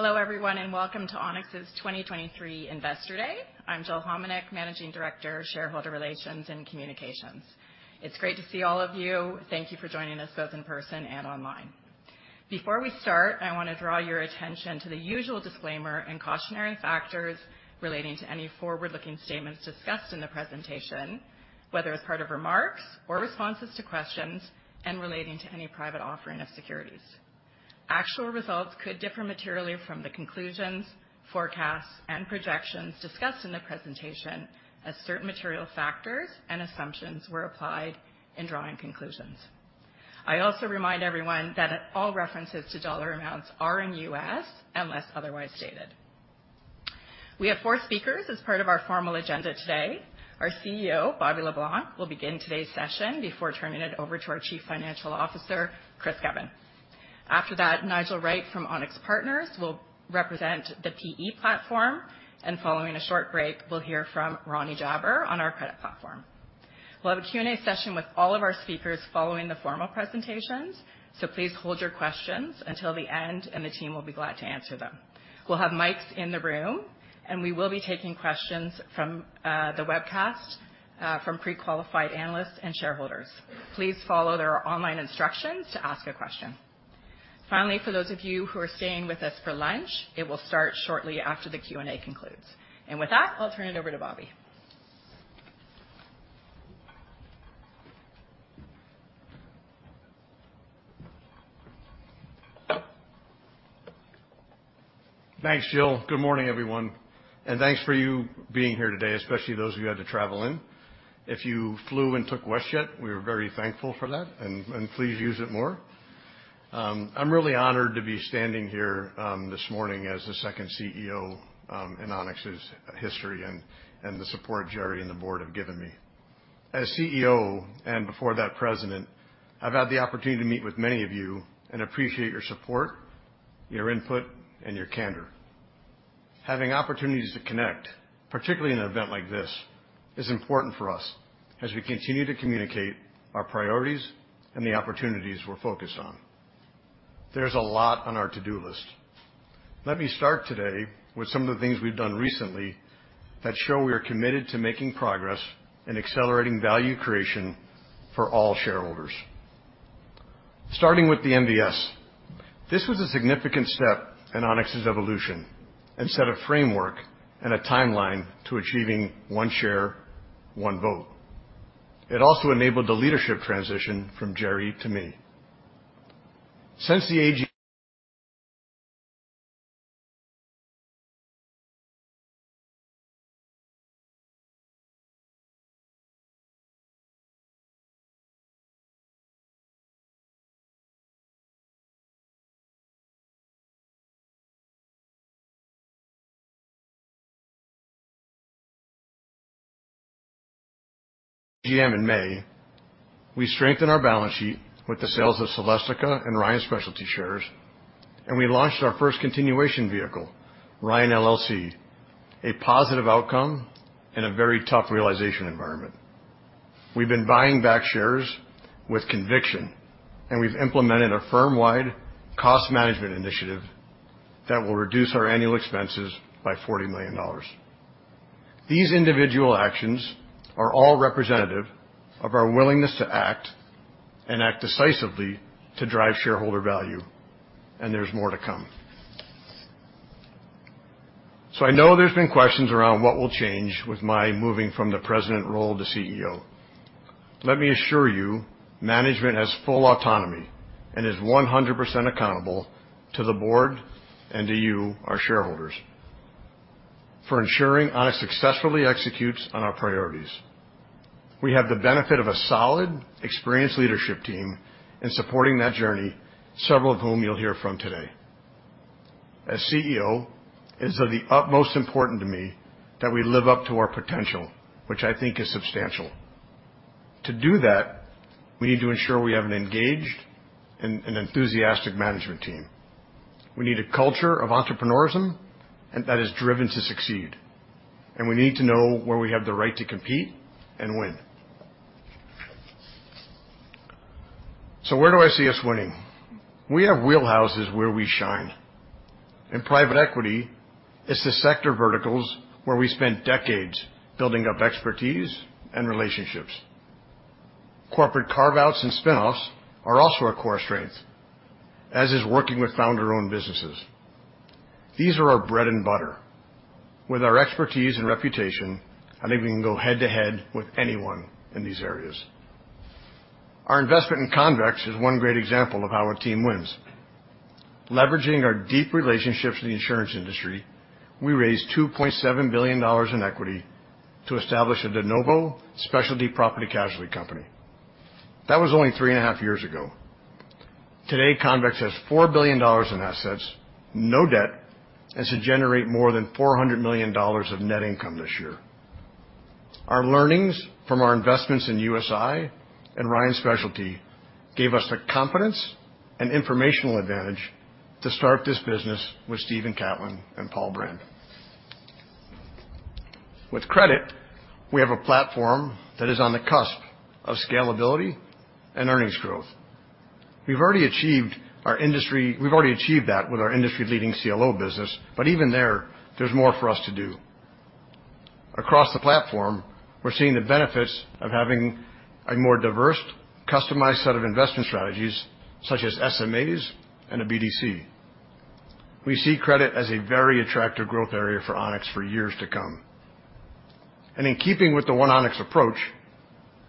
Hello, everyone, and welcome to Onex's 2023 Investor Day. I'm Jill Homenuk, Managing Director, Shareholder Relations and Communications. It's great to see all of you. Thank you for joining us, both in person and online. Before we start, I want to draw your attention to the usual disclaimer and cautionary factors relating to any forward-looking statements discussed in the presentation, whether as part of remarks or responses to questions and relating to any private offering of securities. Actual results could differ materially from the conclusions, forecasts, and projections discussed in the presentation, as certain material factors and assumptions were applied in drawing conclusions. I also remind everyone that all references to dollar amounts are in U.S., unless otherwise stated. We have four speakers as part of our formal agenda today. Our CEO, Bobby Le Blanc, will begin today's session before turning it over to our Chief Financial Officer, Chris Govan. After that, Nigel Wright from Onex Partners will represent the PE platform, and following a short break, we'll hear from Ronnie Jaber on our credit platform. We'll have a Q&A session with all of our speakers following the formal presentations, so please hold your questions until the end, and the team will be glad to answer them. We'll have mics in the room, and we will be taking questions from the webcast from pre-qualified analysts and shareholders. Please follow the online instructions to ask a question. Finally, for those of you who are staying with us for lunch, it will start shortly after the Q&A concludes. With that, I'll turn it over to Bobby. Thanks, Jill. Good morning, everyone, and thanks for you being here today, especially those of you who had to travel in. If you flew and took WestJet, we are very thankful for that, and please use it more. I'm really honored to be standing here this morning as the second CEO in Onex's history and the support Gerry and the Board have given me. As CEO, and before that, President, I've had the opportunity to meet with many of you and appreciate your support, your input, and your candor. Having opportunities to connect, particularly in an event like this, is important for us as we continue to communicate our priorities and the opportunities we're focused on. There's a lot on our to-do list. Let me start today with some of the things we've done recently that show we are committed to making progress and accelerating value creation for all shareholders. Starting with the MVS. This was a significant step in Onex's evolution and set a framework and a timeline to achieving one share, one vote. It also enabled the leadership transition from Gerry to me. Since the AGM in May, we strengthened our balance sheet with the sales of Celestica and Ryan Specialty shares, and we launched our first continuation vehicle, Ryan LLC, a positive outcome in a very tough realization environment. We've been buying back shares with conviction, and we've implemented a firm-wide cost management initiative that will reduce our annual expenses by $40 million. These individual actions are all representative of our willingness to act and act decisively to drive shareholder value, and there's more to come. So I know there's been questions around what will change with my moving from the President role to CEO. Let me assure you, management has full autonomy and is 100% accountable to the Board and to you, our shareholders, for ensuring Onex successfully executes on our priorities. We have the benefit of a solid, experienced leadership team in supporting that journey, several of whom you'll hear from today. As CEO, it's of the utmost importance to me that we live up to our potential, which I think is substantial. To do that, we need to ensure we have an engaged and enthusiastic management team. We need a culture of entrepreneurism and that is driven to succeed, and we need to know where we have the right to compete and win. So where do I see us winning? We have wheelhouses where we shine. In Private Equity, it's the sector verticals where we spent decades building up expertise and relationships. Corporate carve-outs and spinoffs are also a core strength, as is working with founder-owned businesses. These are our bread and butter. With our expertise and reputation, I think we can go head-to-head with anyone in these areas. Our investment in Convex is one great example of how our team wins. Leveraging our deep relationships in the insurance industry, we raised $2.7 billion in equity to establish a de novo specialty property casualty company. That was only 3.5 years ago. Today, Convex has $4 billion in assets, no debt, and should generate more than $400 million of net income this year. Our learnings from our investments in USI and Ryan Specialty gave us the confidence and informational advantage to start this business with Stephen Catlin and Paul Brand... With credit, we have a platform that is on the cusp of scalability and earnings growth. We've already achieved that with our industry-leading CLO business, but even there, there's more for us to do. Across the platform, we're seeing the benefits of having a more diverse, customized set of investment strategies, such as SMAs and a BDC. We see credit as a very attractive growth area for Onex for years to come. And in keeping with the One Onex approach,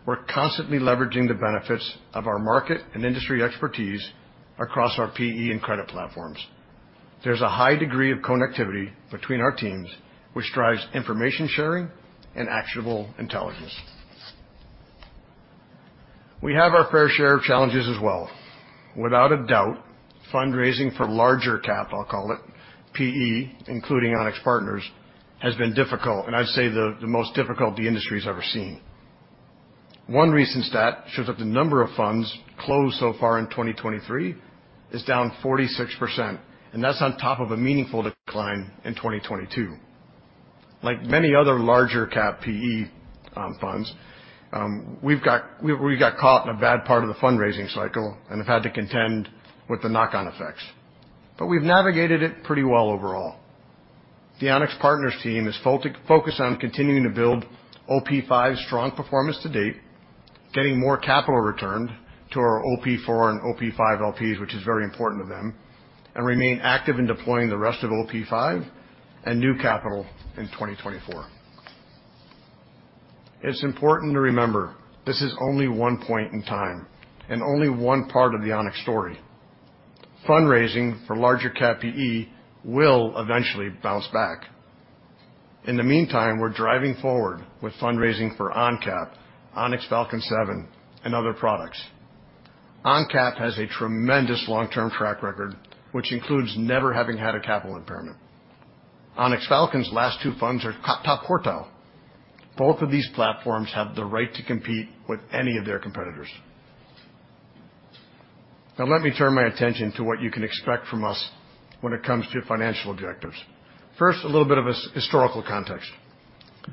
we're constantly leveraging the benefits of our market and industry expertise across our PE and credit platforms. There's a high degree of connectivity between our teams, which drives information sharing and actionable intelligence. We have our fair share of challenges as well. Without a doubt, fundraising for larger cap, I'll call it, PE, including Onex Partners, has been difficult, and I'd say the most difficult the industry has ever seen. One recent stat shows that the number of funds closed so far in 2023 is down 46%, and that's on top of a meaningful decline in 2022. Like many other larger cap PE funds, we've got caught in a bad part of the fundraising cycle and have had to contend with the knock-on effects, but we've navigated it pretty well overall. The Onex Partners team is focused on continuing to build OP V's strong performance to date, getting more capital returned to our OP IV and OP V LPs, which is very important to them, and remain active in deploying the rest of OP V and new capital in 2024. It's important to remember, this is only one point in time and only one part of the Onex story. Fundraising for larger cap PE will eventually bounce back. In the meantime, we're driving forward with fundraising for ONCAP, Onex Falcon VII, and other products. ONCAP has a tremendous long-term track record, which includes never having had a capital impairment. Onex Falcon's last two funds are top quartile. Both of these platforms have the right to compete with any of their competitors. Now, let me turn my attention to what you can expect from us when it comes to financial objectives. First, a little bit of historical context.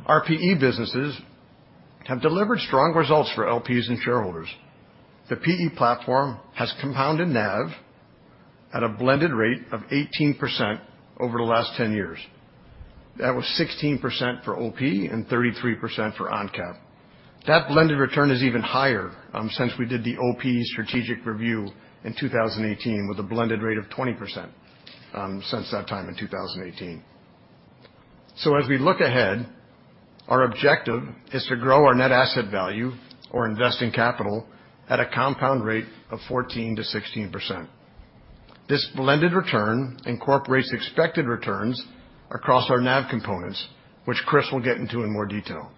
Our PE businesses have delivered strong results for LPs and shareholders. The PE platform has compounded NAV at a blended rate of 18% over the last 10 years. That was 16% for OP and 33% for ONCAP. That blended return is even higher since we did the OP strategic review in 2018, with a blended rate of 20% since that time in 2018. So as we look ahead, our objective is to grow our net asset value or investing capital at a compound rate of 14%-16%. This blended return incorporates expected returns across our NAV components, which Chris will get into in more detail.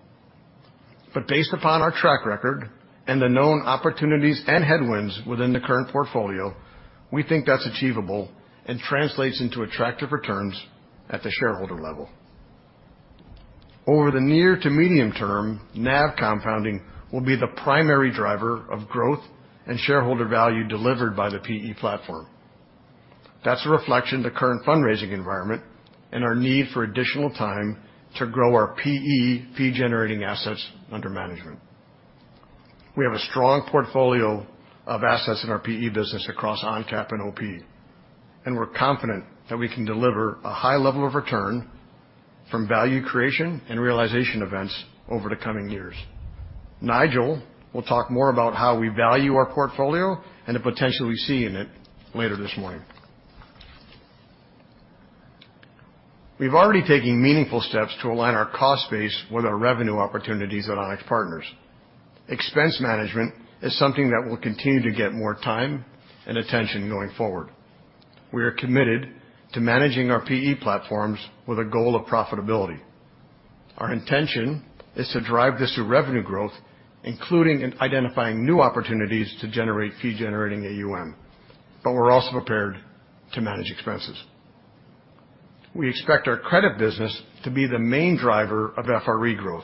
But based upon our track record and the known opportunities and headwinds within the current portfolio, we think that's achievable and translates into attractive returns at the shareholder level. Over the near to medium term, NAV compounding will be the primary driver of growth and shareholder value delivered by the PE platform. That's a reflection of the current fundraising environment and our need for additional time to grow our PE fee-generating assets under management. We have a strong portfolio of assets in our PE business across ONCAP and OP, and we're confident that we can deliver a high level of return from value creation and realization events over the coming years. Nigel will talk more about how we value our portfolio and the potential we see in it later this morning. We've already taken meaningful steps to align our cost base with our revenue opportunities at Onex Partners. Expense management is something that will continue to get more time and attention going forward. We are committed to managing our PE platforms with a goal of profitability. Our intention is to drive this through revenue growth, including in identifying new opportunities to generate fee-generating AUM, but we're also prepared to manage expenses. We expect our credit business to be the main driver of FRE growth,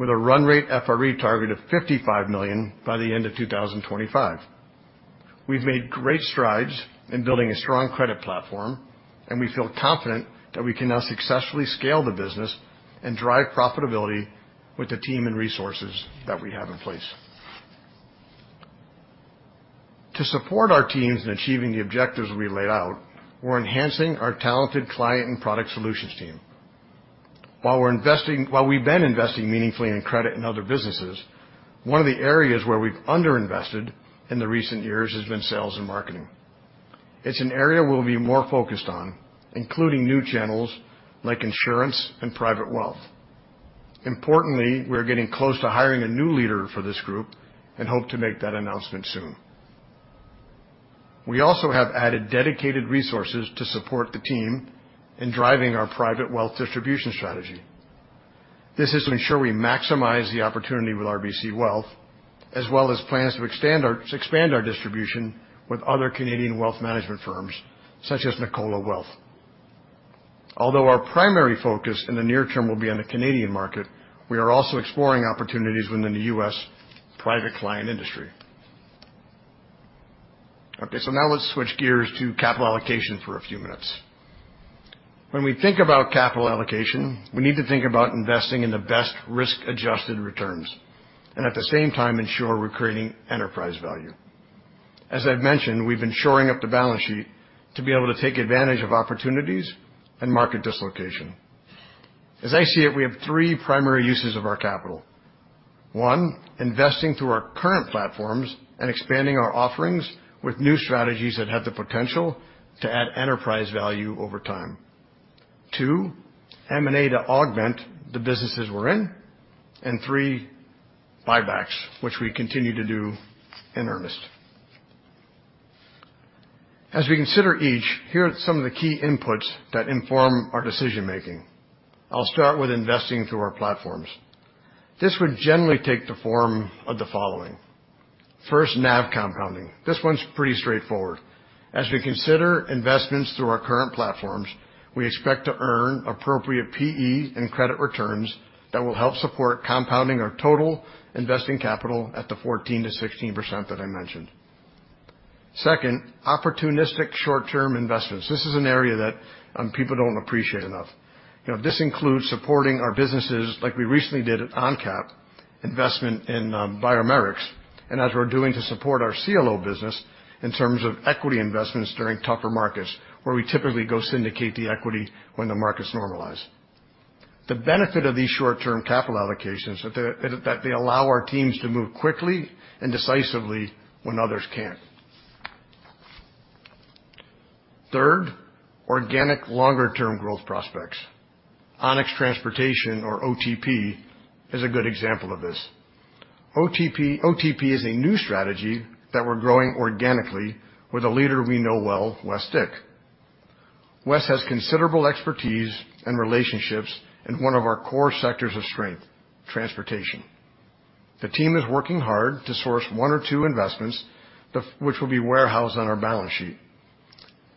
with a run rate FRE target of $55 million by the end of 2025. We've made great strides in building a strong credit platform, and we feel confident that we can now successfully scale the business and drive profitability with the team and resources that we have in place. To support our teams in achieving the objectives we laid out, we're enhancing our talented client and product solutions team. While we've been investing meaningfully in credit and other businesses, one of the areas where we've underinvested in the recent years has been sales and marketing. It's an area we'll be more focused on, including new channels like insurance and Private Wealth. Importantly, we're getting close to hiring a new leader for this group and hope to make that announcement soon. We also have added dedicated resources to support the team in driving our Private Wealth distribution strategy. This is to ensure we maximize the opportunity with RBC Wealth, as well as plans to expand our distribution with other Canadian wealth management firms, such as Nicola Wealth. Although our primary focus in the near term will be on the Canadian market, we are also exploring opportunities within the U.S. private client industry. Okay, so now let's switch gears to capital allocation for a few minutes. When we think about capital allocation, we need to think about investing in the best risk-adjusted returns, and at the same time ensure we're creating enterprise value. As I've mentioned, we've been shoring up the balance sheet to be able to take advantage of opportunities and market dislocation. As I see it, we have three primary uses of our capital. One, investing through our current platforms and expanding our offerings with new strategies that have the potential to add enterprise value over time. Two, M&A to augment the businesses we're in. And three, buybacks, which we continue to do in earnest. As we consider each, here are some of the key inputs that inform our decision making. I'll start with investing through our platforms. This would generally take the form of the following. First, NAV compounding. This one's pretty straightforward. As we consider investments through our current platforms, we expect to earn appropriate PE and credit returns that will help support compounding our total investing capital at the 14%-16% that I mentioned. Second, opportunistic short-term investments. This is an area that people don't appreciate enough. You know, this includes supporting our businesses like we recently did at ONCAP, investment in Biomerics, and as we're doing to support our CLO business in terms of equity investments during tougher markets, where we typically go syndicate the equity when the markets normalize. The benefit of these short-term capital allocations is that they allow our teams to move quickly and decisively when others can't. Third, organic longer-term growth prospects. Onex Transportation, or OTP, is a good example of this. OTP, OTP is a new strategy that we're growing organically with a leader we know well, Wes Dick. Wes has considerable expertise and relationships in one of our core sectors of strength, transportation. The team is working hard to source one or two investments, which will be warehoused on our balance sheet.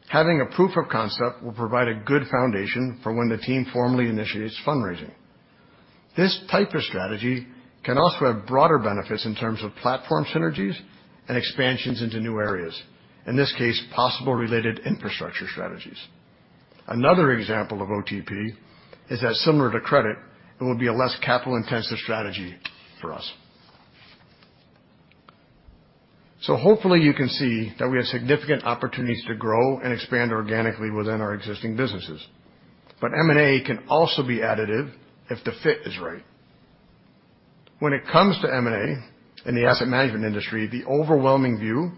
Having a proof of concept will provide a good foundation for when the team formally initiates fundraising. This type of strategy can also have broader benefits in terms of platform synergies and expansions into new areas, in this case, possible related infrastructure strategies. Another example of OTP is that similar to credit, it will be a less capital-intensive strategy for us. So hopefully you can see that we have significant opportunities to grow and expand organically within our existing businesses, but M&A can also be additive if the fit is right. When it comes to M&A in the Asset Management industry, the overwhelming view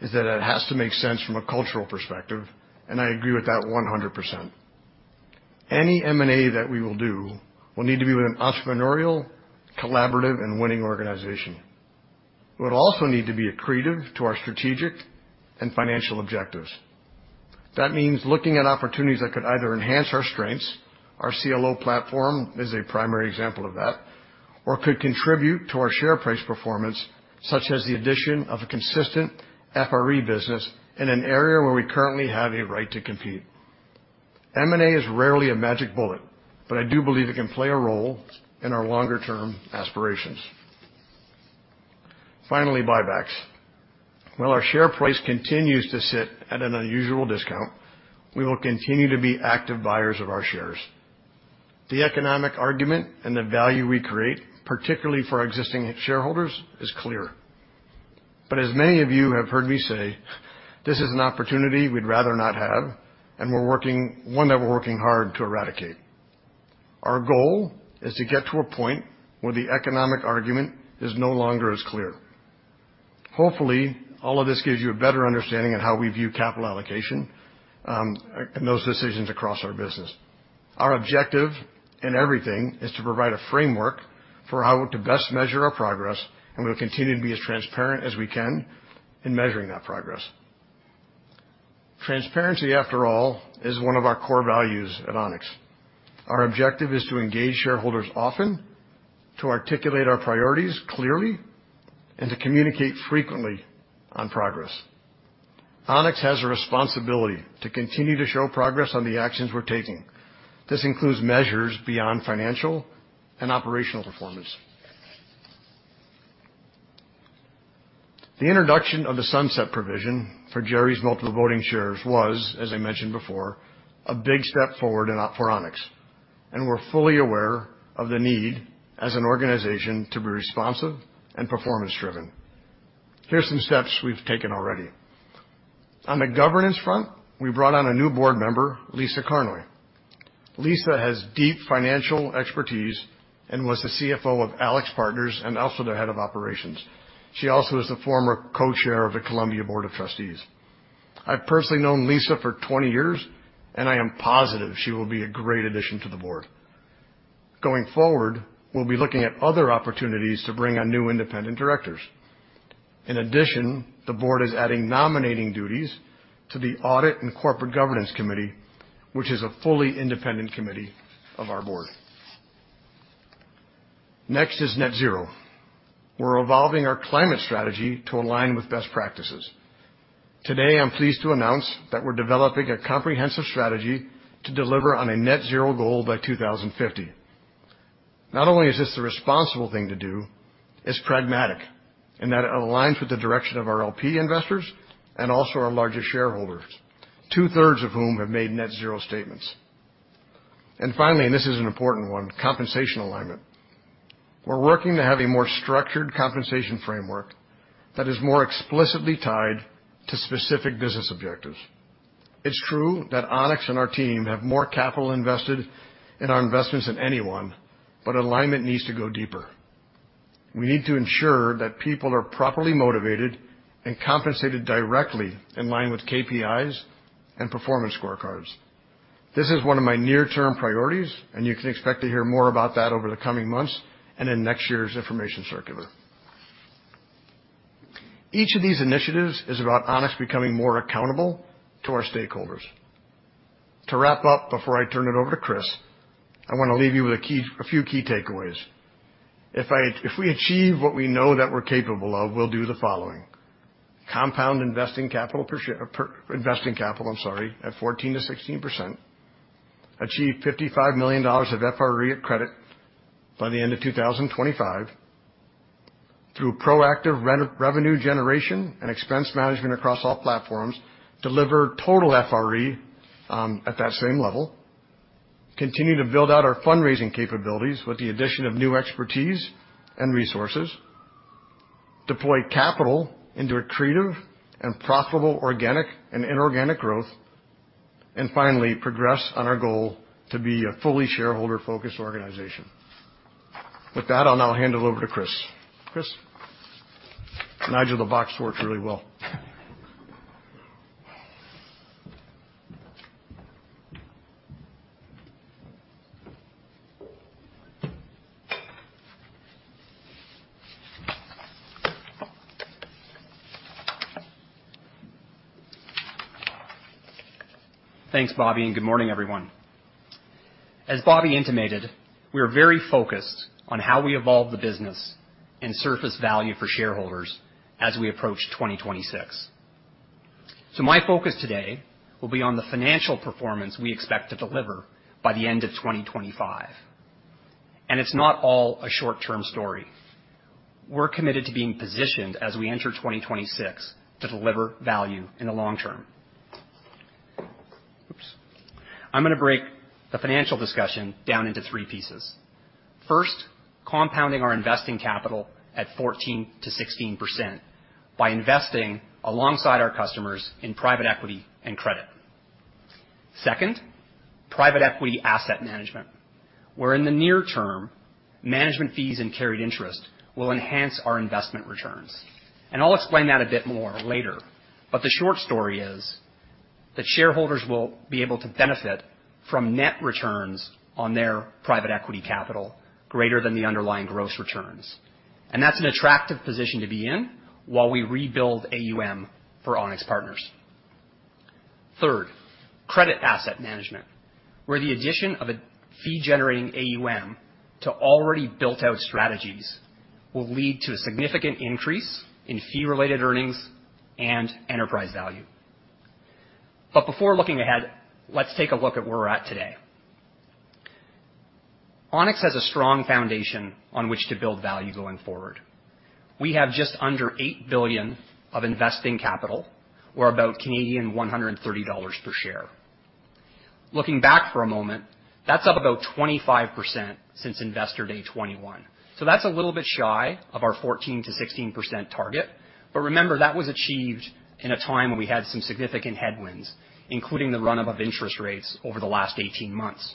is that it has to make sense from a cultural perspective, and I agree with that 100%. Any M&A that we will do will need to be with an entrepreneurial, collaborative, and winning organization. It would also need to be accretive to our strategic and financial objectives. That means looking at opportunities that could either enhance our strengths, our CLO platform is a primary example of that, or could contribute to our share price performance, such as the addition of a consistent FRE business in an area where we currently have a right to compete. M&A is rarely a magic bullet, but I do believe it can play a role in our longer-term aspirations. Finally, buybacks. While our share price continues to sit at an unusual discount, we will continue to be active buyers of our shares. The economic argument and the value we create, particularly for our existing shareholders, is clear. But as many of you have heard me say, this is an opportunity we'd rather not have, and one that we're working hard to eradicate. Our goal is to get to a point where the economic argument is no longer as clear. Hopefully, all of this gives you a better understanding of how we view capital allocation, and those decisions across our business. Our objective in everything is to provide a framework for how to best measure our progress, and we'll continue to be as transparent as we can in measuring that progress. Transparency, after all, is one of our core values at Onex. Our objective is to engage shareholders often, to articulate our priorities clearly, and to communicate frequently on progress. Onex has a responsibility to continue to show progress on the actions we're taking. This includes measures beyond financial and operational performance. The introduction of the sunset provision for Gerry's multiple voting shares was, as I mentioned before, a big step forward in for Onex, and we're fully aware of the need as an organization to be responsive and performance-driven. Here's some steps we've taken already. On the governance front, we brought on a new Board member, Lisa Carnoy. Lisa has deep financial expertise and was the CFO of AlixPartners and also the Head of Operations. She also is the former Co-chair of the Columbia Board of Trustees. I've personally known Lisa for 20 years, and I am positive she will be a great addition to the Board. Going forward, we'll be looking at other opportunities to bring on new independent directors. In addition, the Board is adding nominating duties to the Audit and Corporate Governance Committee, which is a fully independent committee of our Board. Next is Net Zero. We're evolving our climate strategy to align with best practices. Today, I'm pleased to announce that we're developing a comprehensive strategy to deliver on a Net Zero goal by 2050.... Not only is this the responsible thing to do, it's pragmatic, and that it aligns with the direction of our LP investors and also our largest shareholders, 2/3 of whom have made Net Zero statements. And finally, and this is an important one, compensation alignment. We're working to have a more structured compensation framework that is more explicitly tied to specific business objectives. It's true that Onex and our team have more capital invested in our investments than anyone, but alignment needs to go deeper. We need to ensure that people are properly motivated and compensated directly in line with KPIs and performance scorecards. This is one of my near-term priorities, and you can expect to hear more about that over the coming months and in next year's information circular. Each of these initiatives is about Onex becoming more accountable to our stakeholders. To wrap up, before I turn it over to Chris, I want to leave you with a few key takeaways. If we achieve what we know that we're capable of, we'll do the following: compound investing capital per share, investing capital, I'm sorry, at 14%-16%, achieve $55 million of FRE of credit by the end of 2025. Through proactive revenue generation and expense management across all platforms, deliver total FRE at that same level, continue to build out our fundraising capabilities with the addition of new expertise and resources, deploy capital into accretive and profitable, organic and inorganic growth, and finally, progress on our goal to be a fully shareholder-focused organization. With that, I'll now hand it over to Chris. Chris? Nigel, the box works really well. Thanks, Bobby, and good morning, everyone. As Bobby intimated, we are very focused on how we evolve the business and surface value for shareholders as we approach 2026. So my focus today will be on the financial performance we expect to deliver by the end of 2025. And it's not all a short-term story. We're committed to being positioned as we enter 2026 to deliver value in the long term. Oops! I'm gonna break the financial discussion down into three pieces. First, compounding our investing capital at 14%-16% by investing alongside our customers in Private Equity and credit. Second, Private Equity Asset Management, where in the near term, management fees and carried interest will enhance our investment returns. And I'll explain that a bit more later, but the short story is that shareholders will be able to benefit from net returns on their Private Equity capital greater than the underlying gross returns. And that's an attractive position to be in while we rebuild AUM for Onex Partners. Third, Credit Asset Management, where the addition of a fee-generating AUM to already built-out strategies will lead to a significant increase in fee-related earnings and enterprise value. But before looking ahead, let's take a look at where we're at today. Onex has a strong foundation on which to build value going forward. We have just under $8 billion of investing capital, or about 130 Canadian dollars per share. Looking back for a moment, that's up about 25% since Investor Day 2021. So that's a little bit shy of our 14%-16% target. But remember, that was achieved in a time when we had some significant headwinds, including the run-up of interest rates over the last 18 months.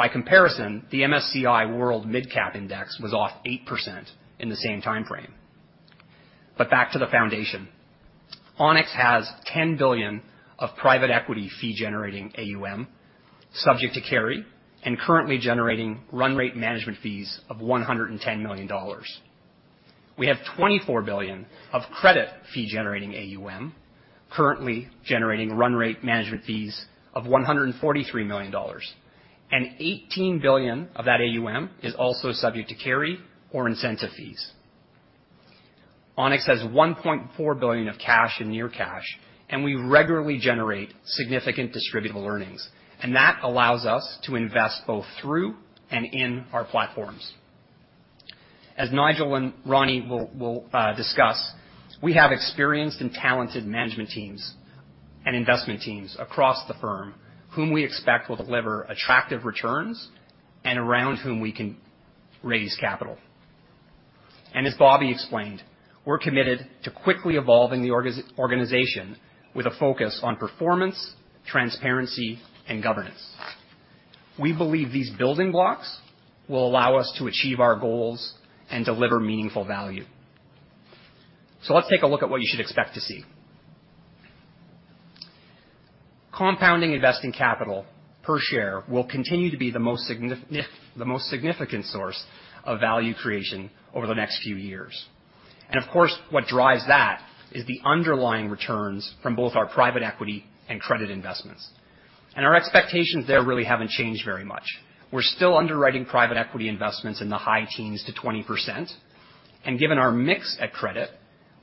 By comparison, the MSCI World Mid Cap Index was off 8% in the same timeframe. But back to the foundation. Onex has $10 billion of Private Equity fee-generating AUM, subject to carry, and currently generating run rate management fees of $110 million. We have $24 billion of credit fee-generating AUM, currently generating run rate management fees of $143 million, and $18 billion of that AUM is also subject to carry or incentive fees. Onex has $1.4 billion of cash and near cash, and we regularly generate significant distributable earnings, and that allows us to invest both through and in our platforms. As Nigel and Ronnie will discuss, we have experienced and talented management teams and investment teams across the firm whom we expect will deliver attractive returns and around whom we can raise capital. And as Bobby explained, we're committed to quickly evolving the organization with a focus on performance, transparency, and governance. We believe these building blocks will allow us to achieve our goals and deliver meaningful value. So let's take a look at what you should expect to see. Compounding investing capital per share will continue to be the most significant source of value creation over the next few years. And of course, what drives that is the underlying returns from both our Private Equity and credit investments. And our expectations there really haven't changed very much. We're still underwriting Private Equity investments in the high teens-20%, and given our mix at credit,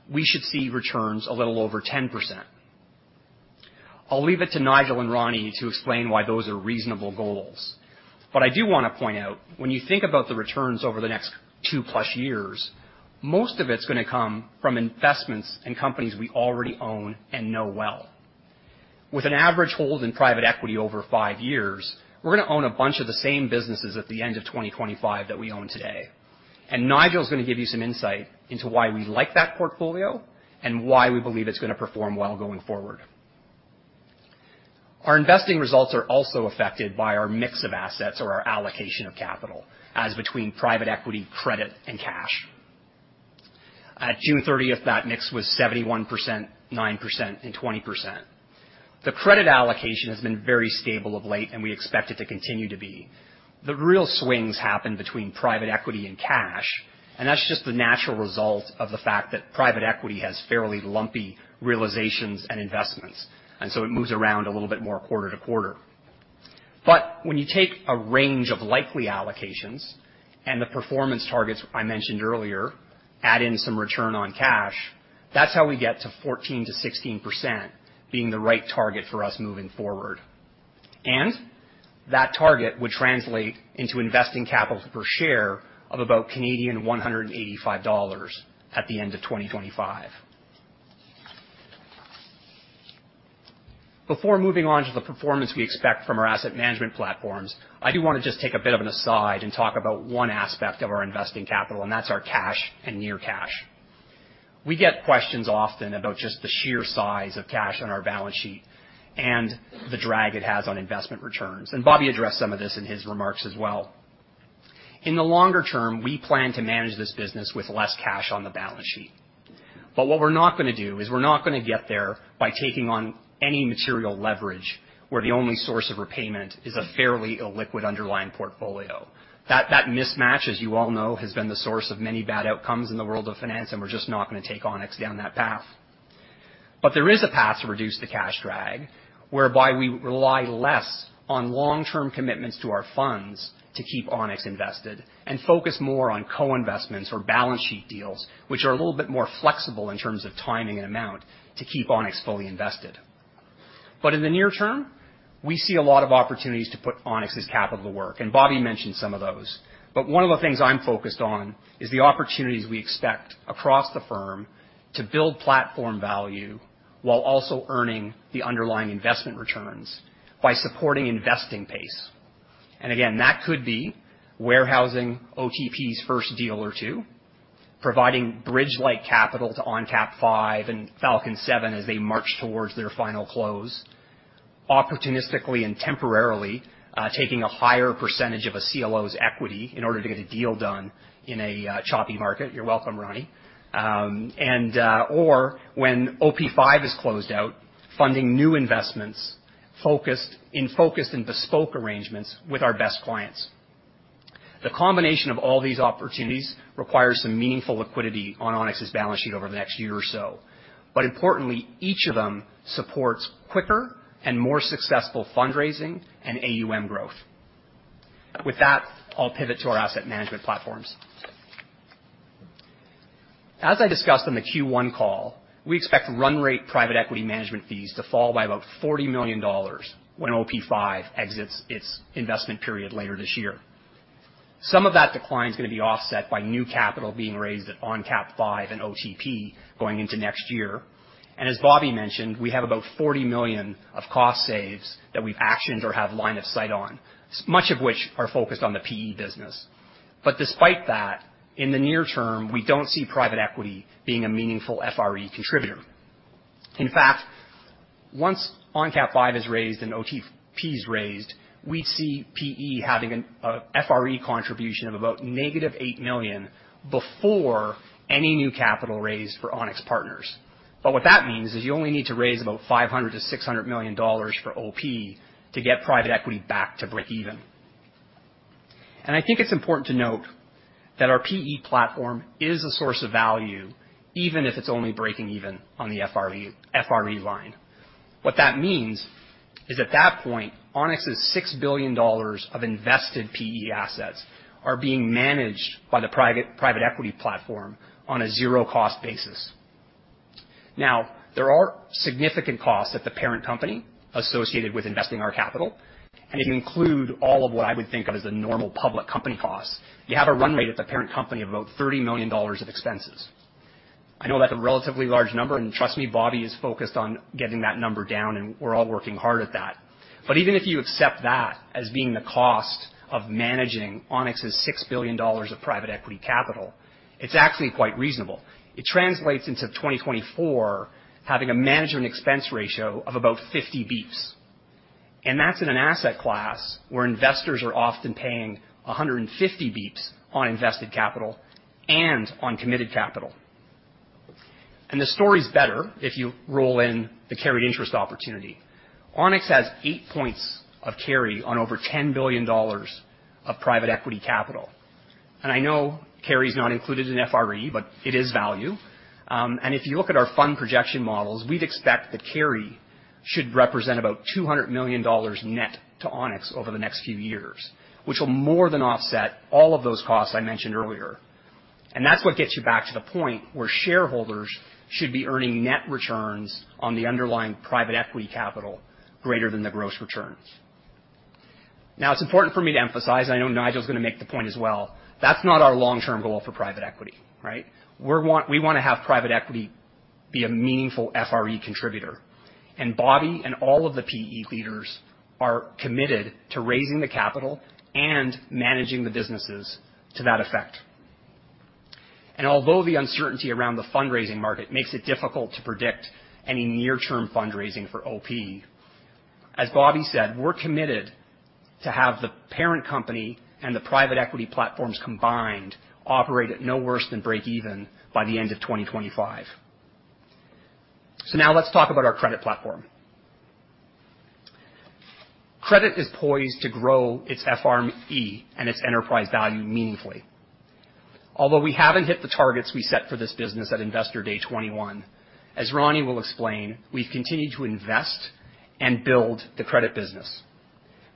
we should see returns a little over 10%.... I'll leave it to Nigel and Ronnie to explain why those are reasonable goals. But I do want to point out, when you think about the returns over the next 2+ years, most of it's gonna come from investments in companies we already own and know well. With an average hold in Private Equity over five years, we're gonna own a bunch of the same businesses at the end of 2025 that we own today. And Nigel is gonna give you some insight into why we like that portfolio and why we believe it's gonna perform well going forward. Our investing results are also affected by our mix of assets or our allocation of capital, as between Private Equity, credit, and cash. At June 30, that mix was 71%, 9%, and 20%. The credit allocation has been very stable of late, and we expect it to continue to be. The real swings happen between Private Equity and cash, and that's just the natural result of the fact that Private Equity has fairly lumpy realizations and investments, and so it moves around a little bit more quarter to quarter. But when you take a range of likely allocations and the performance targets I mentioned earlier, add in some return on cash, that's how we get to 14%-16% being the right target for us moving forward. That target would translate into investing capital per share of about 185 Canadian dollars at the end of 2025. Before moving on to the performance we expect from our Asset Management platforms, I do wanna just take a bit of an aside and talk about one aspect of our investing capital, and that's our cash and near cash. We get questions often about just the sheer size of cash on our balance sheet and the drag it has on investment returns, and Bobby addressed some of this in his remarks as well. In the longer term, we plan to manage this business with less cash on the balance sheet. But what we're not gonna do is we're not gonna get there by taking on any material leverage, where the only source of repayment is a fairly illiquid underlying portfolio. That, that mismatch, as you all know, has been the source of many bad outcomes in the world of finance, and we're just not gonna take Onex down that path. But there is a path to reduce the cash drag, whereby we rely less on long-term commitments to our funds to keep Onex invested and focus more on co-investments or balance sheet deals, which are a little bit more flexible in terms of timing and amount to keep Onex fully invested. But in the near term, we see a lot of opportunities to put Onex's capital to work, and Bobby mentioned some of those. But one of the things I'm focused on is the opportunities we expect across the firm to build platform value while also earning the underlying investment returns by supporting investing pace. Again, that could be warehousing OTP's first deal or two, providing bridge-like capital to ONCAP V and Falcon VII as they march towards their final close. Opportunistically and temporarily taking a higher percentage of a CLO's equity in order to get a deal done in a choppy market. You're welcome, Ronnie. Or when OP V is closed out, funding new investments, focused in focused and bespoke arrangements with our best clients. The combination of all these opportunities requires some meaningful liquidity on Onex's balance sheet over the next year or so. But importantly, each of them supports quicker and more successful fundraising and AUM growth. With that, I'll pivot to our Asset Management platforms. As I discussed on the Q1 call, we expect run rate Private Equity management fees to fall by about $40 million when OP V exits its investment period later this year. Some of that decline is gonna be offset by new capital being raised at ONCAP V and OTP going into next year. And as Bobby mentioned, we have about $40 million of cost saves that we've actioned or have line of sight on, much of which are focused on the PE business. But despite that, in the near term, we don't see Private Equity being a meaningful FRE contributor. In fact, once ONCAP V is raised and OTP is raised, we see PE having an FRE contribution of about -$8 million before any new capital raised for Onex Partners. But what that means is you only need to raise about $500 million-$600 million for OP to get Private Equity back to breakeven. And I think it's important to note that our PE platform is a source of value, even if it's only breaking even on the FRE line. What that means is, at that point, Onex's $6 billion of invested PE assets are being managed by the Private, Private Equity platform on a zero-cost basis. Now, there are significant costs at the parent company associated with investing our capital, and it include all of what I would think of as the normal public company costs. You have a run rate at the parent company of about $30 million of expenses. I know that's a relatively large number, and trust me, Bobby is focused on getting that number down, and we're all working hard at that. But even if you accept that as being the cost of managing Onex's $6 billion of Private Equity capital, it's actually quite reasonable. It translates into 2024, having a management expense ratio of about 50 basis points. And that's in an asset class where investors are often paying 150 basis points on invested capital and on committed capital. And the story's better if you roll in the carried interest opportunity. Onex has 8 points of carry on over $10 billion of Private Equity capital. And I know carry is not included in FRE, but it is value. And if you look at our fund projection models, we'd expect that carry should represent about $200 million net to Onex over the next few years, which will more than offset all of those costs I mentioned earlier. And that's what gets you back to the point where shareholders should be earning net returns on the underlying Private Equity capital greater than the gross returns. Now, it's important for me to emphasize, I know Nigel's gonna make the point as well, that's not our long-term goal for Private Equity, right? We wanna have Private Equity be a meaningful FRE contributor, and Bobby and all of the PE leaders are committed to raising the capital and managing the businesses to that effect. Although the uncertainty around the fundraising market makes it difficult to predict any near-term fundraising for OP, as Bobby said, we're committed to have the parent company and the Private Equity platforms combined operate at no worse than breakeven by the end of 2025. So now let's talk about our credit platform. Credit is poised to grow its FRE and its enterprise value meaningfully. Although we haven't hit the targets we set for this business at Investor Day 2021, as Ronnie will explain, we've continued to invest and build the credit business.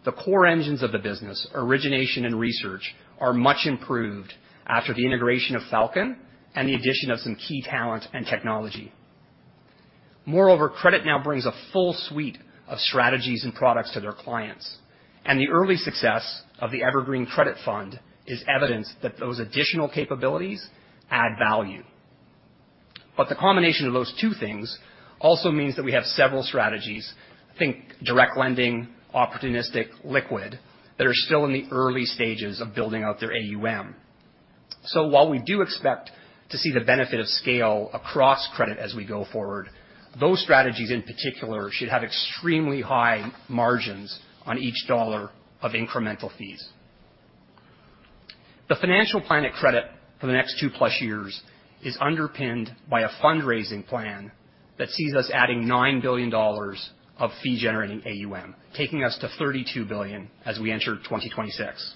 The core engines of the business, origination and research, are much improved after the integration of Falcon and the addition of some key talent and technology. Moreover, credit now brings a full suite of strategies and products to their clients, and the early success of the Evergreen Credit Fund is evidence that those additional capabilities add value. But the combination of those two things also means that we have several strategies, think direct lending, opportunistic, liquid, that are still in the early stages of building out their AUM. So while we do expect to see the benefit of scale across credit as we go forward, those strategies, in particular, should have extremely high margins on each dollar of incremental fees. The financial plan at credit for the next 2+ years is underpinned by a fundraising plan that sees us adding $9 billion of fee-generating AUM, taking us to $32 billion as we enter 2026.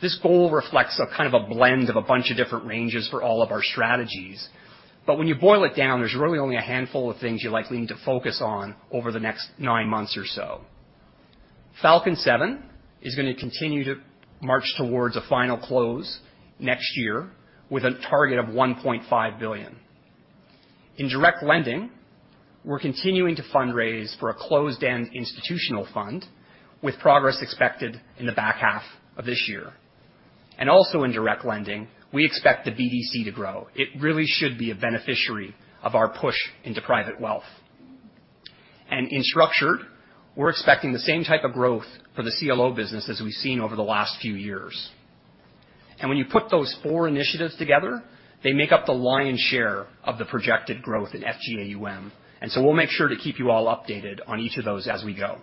This goal reflects a kind of a blend of a bunch of different ranges for all of our strategies. But when you boil it down, there's really only a handful of things you likely need to focus on over the next nine months or so. Falcon VII is gonna continue to march towards a final close next year with a target of $1.5 billion. In direct lending, we're continuing to fundraise for a closed-end institutional fund, with progress expected in the back half of this year. Also in direct lending, we expect the BDC to grow. It really should be a beneficiary of our push into Private Wealth. In structured, we're expecting the same type of growth for the CLO business as we've seen over the last few years. And when you put those four initiatives together, they make up the lion's share of the projected growth in FGAUM, and so we'll make sure to keep you all updated on each of those as we go.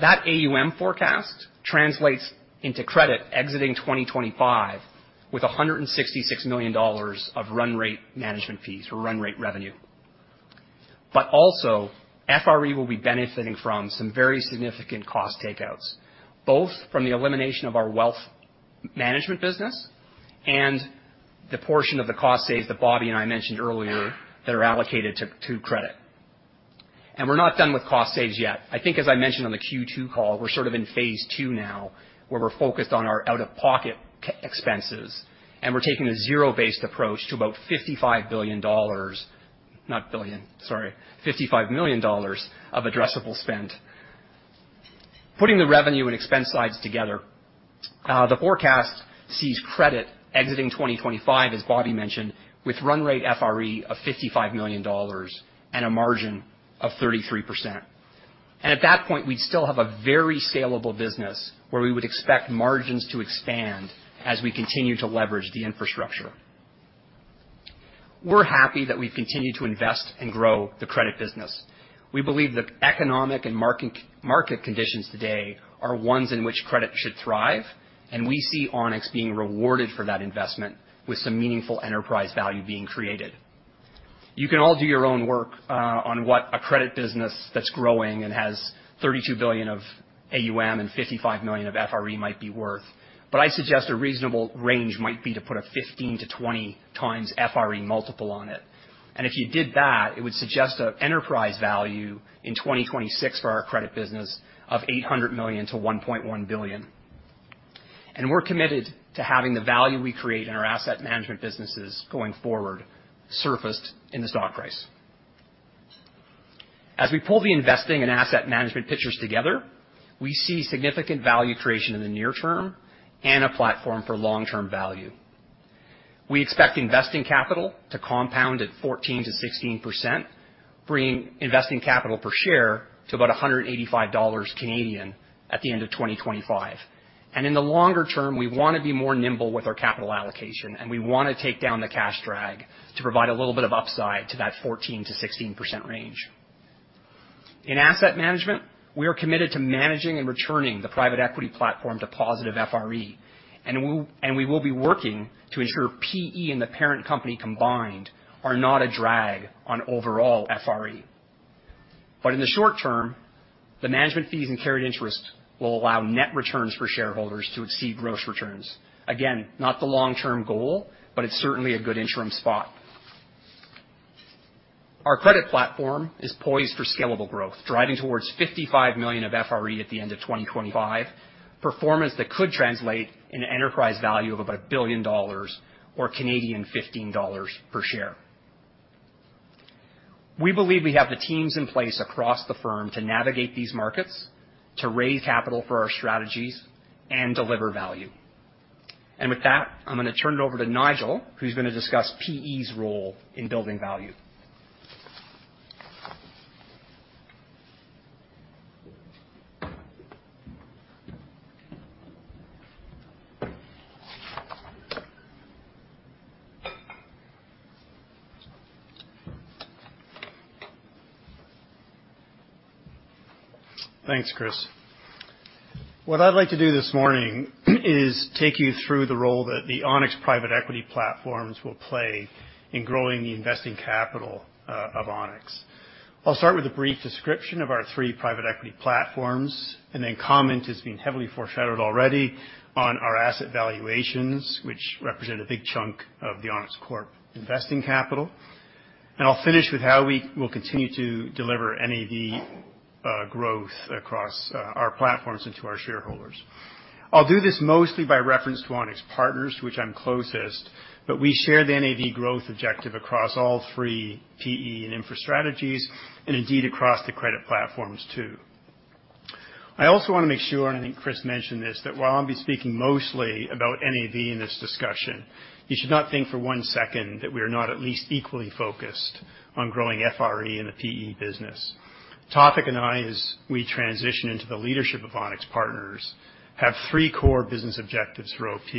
That AUM forecast translates into credit exiting 2025 with $166 million of run rate management fees or run rate revenue. But also, FRE will be benefiting from some very significant cost takeouts, both from the elimination of our wealth management business and the portion of the cost saves that Bobby and I mentioned earlier that are allocated to credit. And we're not done with cost saves yet. I think, as I mentioned on the Q2 call, we're sort of in phase two now, where we're focused on our out-of-pocket cash expenses, and we're taking a zero-based approach to about $55 billion... Not billion, sorry, $55 million of addressable spend. Putting the revenue and expense sides together, the forecast sees credit exiting 2025, as Bobby mentioned, with run rate FRE of $55 million and a margin of 33%. And at that point, we'd still have a very scalable business where we would expect margins to expand as we continue to leverage the infrastructure. We're happy that we've continued to invest and grow the credit business. We believe the economic and market, market conditions today are ones in which credit should thrive, and we see Onex being rewarded for that investment with some meaningful enterprise value being created. You can all do your own work on what a credit business that's growing and has $32 billion of AUM and $55 million of FRE might be worth, but I suggest a reasonable range might be to put a 15x-20x FRE multiple on it. And if you did that, it would suggest an enterprise value in 2026 for our credit business of $800 million-$1.1 billion. And we're committed to having the value we create in our Asset Management businesses going forward, surfaced in the stock price. As we pull the investing and Asset Management pictures together, we see significant value creation in the near term and a platform for long-term value. We expect investing capital to compound at 14%-16%, bringing investing capital per share to about 185 Canadian dollars at the end of 2025. And in the longer term, we want to be more nimble with our capital allocation, and we want to take down the cash drag to provide a little bit of upside to that 14%-16% range. In Asset Management, we are committed to managing and returning the Private Equity platform to positive FRE, and we will be working to ensure PE and the parent company combined are not a drag on overall FRE. But in the short term, the management fees and carried interest will allow net returns for shareholders to exceed gross returns. Again, not the long-term goal, but it's certainly a good interim spot.... Our credit platform is poised for scalable growth, driving towards $55 million of FRE at the end of 2025, performance that could translate in an enterprise value of about $1 billion or 15 Canadian dollars per share. We believe we have the teams in place across the firm to navigate these markets, to raise capital for our strategies and deliver value. With that, I'm gonna turn it over to Nigel, who's gonna discuss PE's role in building value. Thanks, Chris. What I'd like to do this morning is take you through the role that the Onex Private Equity platforms will play in growing the investing capital of Onex. I'll start with a brief description of our three Private Equity platforms, and then comment has been heavily foreshadowed already on our asset valuations, which represent a big chunk of the Onex Corp investing capital. I'll finish with how we will continue to deliver NAV growth across our platforms into our shareholders. I'll do this mostly by reference to Onex Partners, which I'm closest, but we share the NAV growth objective across all three PE and infra strategies, and indeed across the credit platforms, too. I also want to make sure, and I think Chris mentioned this, that while I'll be speaking mostly about NAV in this discussion, you should not think for one second that we are not at least equally focused on growing FRE in the PE business. Tawfiq and I, as we transition into the leadership of Onex Partners, have three core business objectives for OP,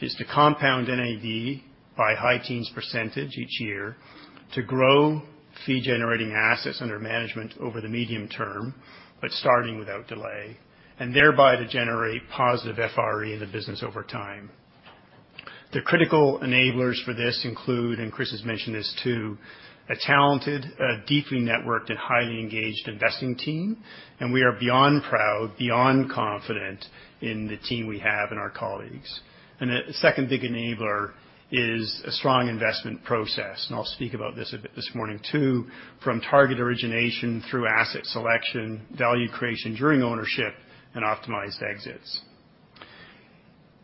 is to compound NAV by high teens percentage each year, to grow fee-generating assets under management over the medium term, but starting without delay, and thereby to generate positive FRE in the business over time. The critical enablers for this include, and Chris has mentioned this, too, a talented, deeply networked and highly engaged investing team, and we are beyond proud, beyond confident in the team we have and our colleagues. The second big enabler is a strong investment process, and I'll speak about this a bit this morning, too, from target origination through asset selection, value creation during ownership, and optimized exits.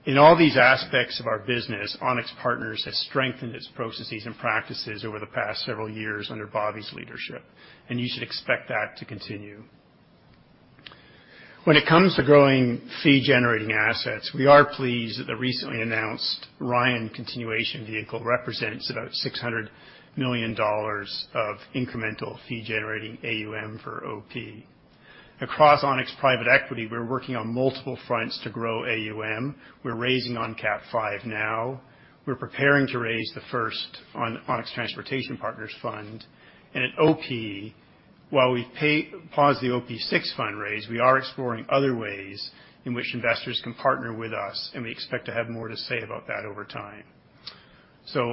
In all these aspects of our business, Onex Partners has strengthened its processes and practices over the past several years under Bobby's leadership, and you should expect that to continue. When it comes to growing fee-generating assets, we are pleased that the recently announced Ryan continuation vehicle represents about $600 million of incremental fee-generating AUM for OP. Across Onex Private Equity, we're working on multiple fronts to grow AUM. We're raising ONCAP V now. We're preparing to raise the first Onex Transportation Partners fund. At OP, while we pause the OP VI fund raise, we are exploring other ways in which investors can partner with us, and we expect to have more to say about that over time.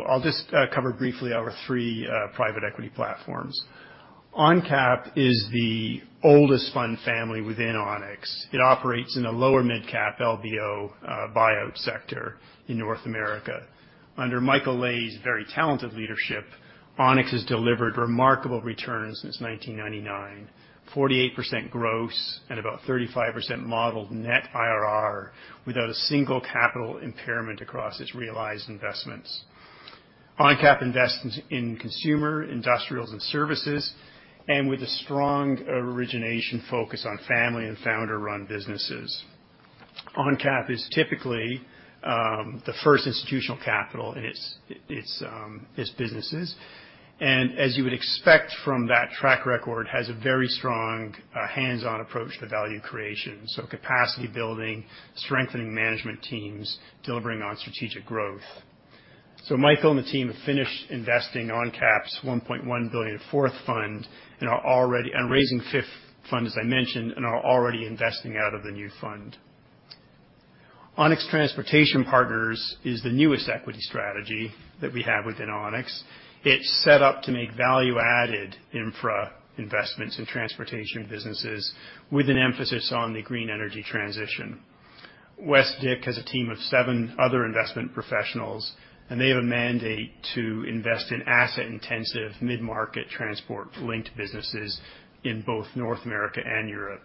I'll just cover briefly our three Private Equity platforms. ONCAP is the oldest fund family within Onex. It operates in a lower midcap LBO buyout sector in North America. Under Michael Lay's very talented leadership, Onex has delivered remarkable returns since 1999, 48% gross and about 35% modeled net IRR, without a single capital impairment across its realized investments. ONCAP invests in consumer, industrials, and services, and with a strong origination focus on family and founder-run businesses. ONCAP is typically the first institutional capital in its businesses, and as you would expect from that track record, has a very strong hands-on approach to value creation. So capacity building, strengthening management teams, delivering on strategic growth. So Michael and the team have finished investing ONCAP's $1.1 billion fourth fund and are already... And raising fifth fund, as I mentioned, and are already investing out of the new fund. Onex Transportation Partners is the newest equity strategy that we have within Onex. It's set up to make value-added infra investments in transportation businesses with an emphasis on the green energy transition. Wes Dick has a team of seven other investment professionals, and they have a mandate to invest in asset-intensive, mid-market transport-linked businesses in both North America and Europe.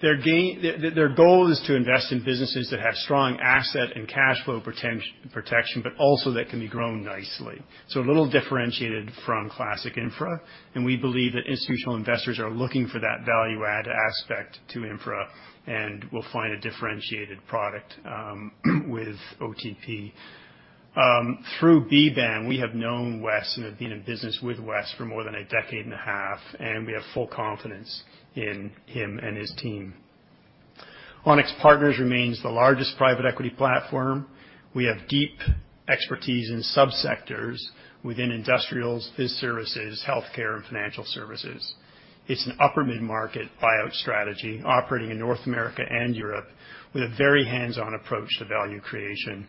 Their goal is to invest in businesses that have strong asset and cash flow protection, but also that can be grown nicely. So a little differentiated from classic infra, and we believe that institutional investors are looking for that value-add aspect to infra and will find a differentiated product with OTP. Through BBAM, we have known Wes and have been in business with Wes for more than 15 years, and we have full confidence in him and his team. Onex Partners remains the largest Private Equity platform. We have deep expertise in subsectors within industrials, biz services, healthcare, and financial services. It's an upper mid-market buyout strategy operating in North America and Europe with a very hands-on approach to value creation,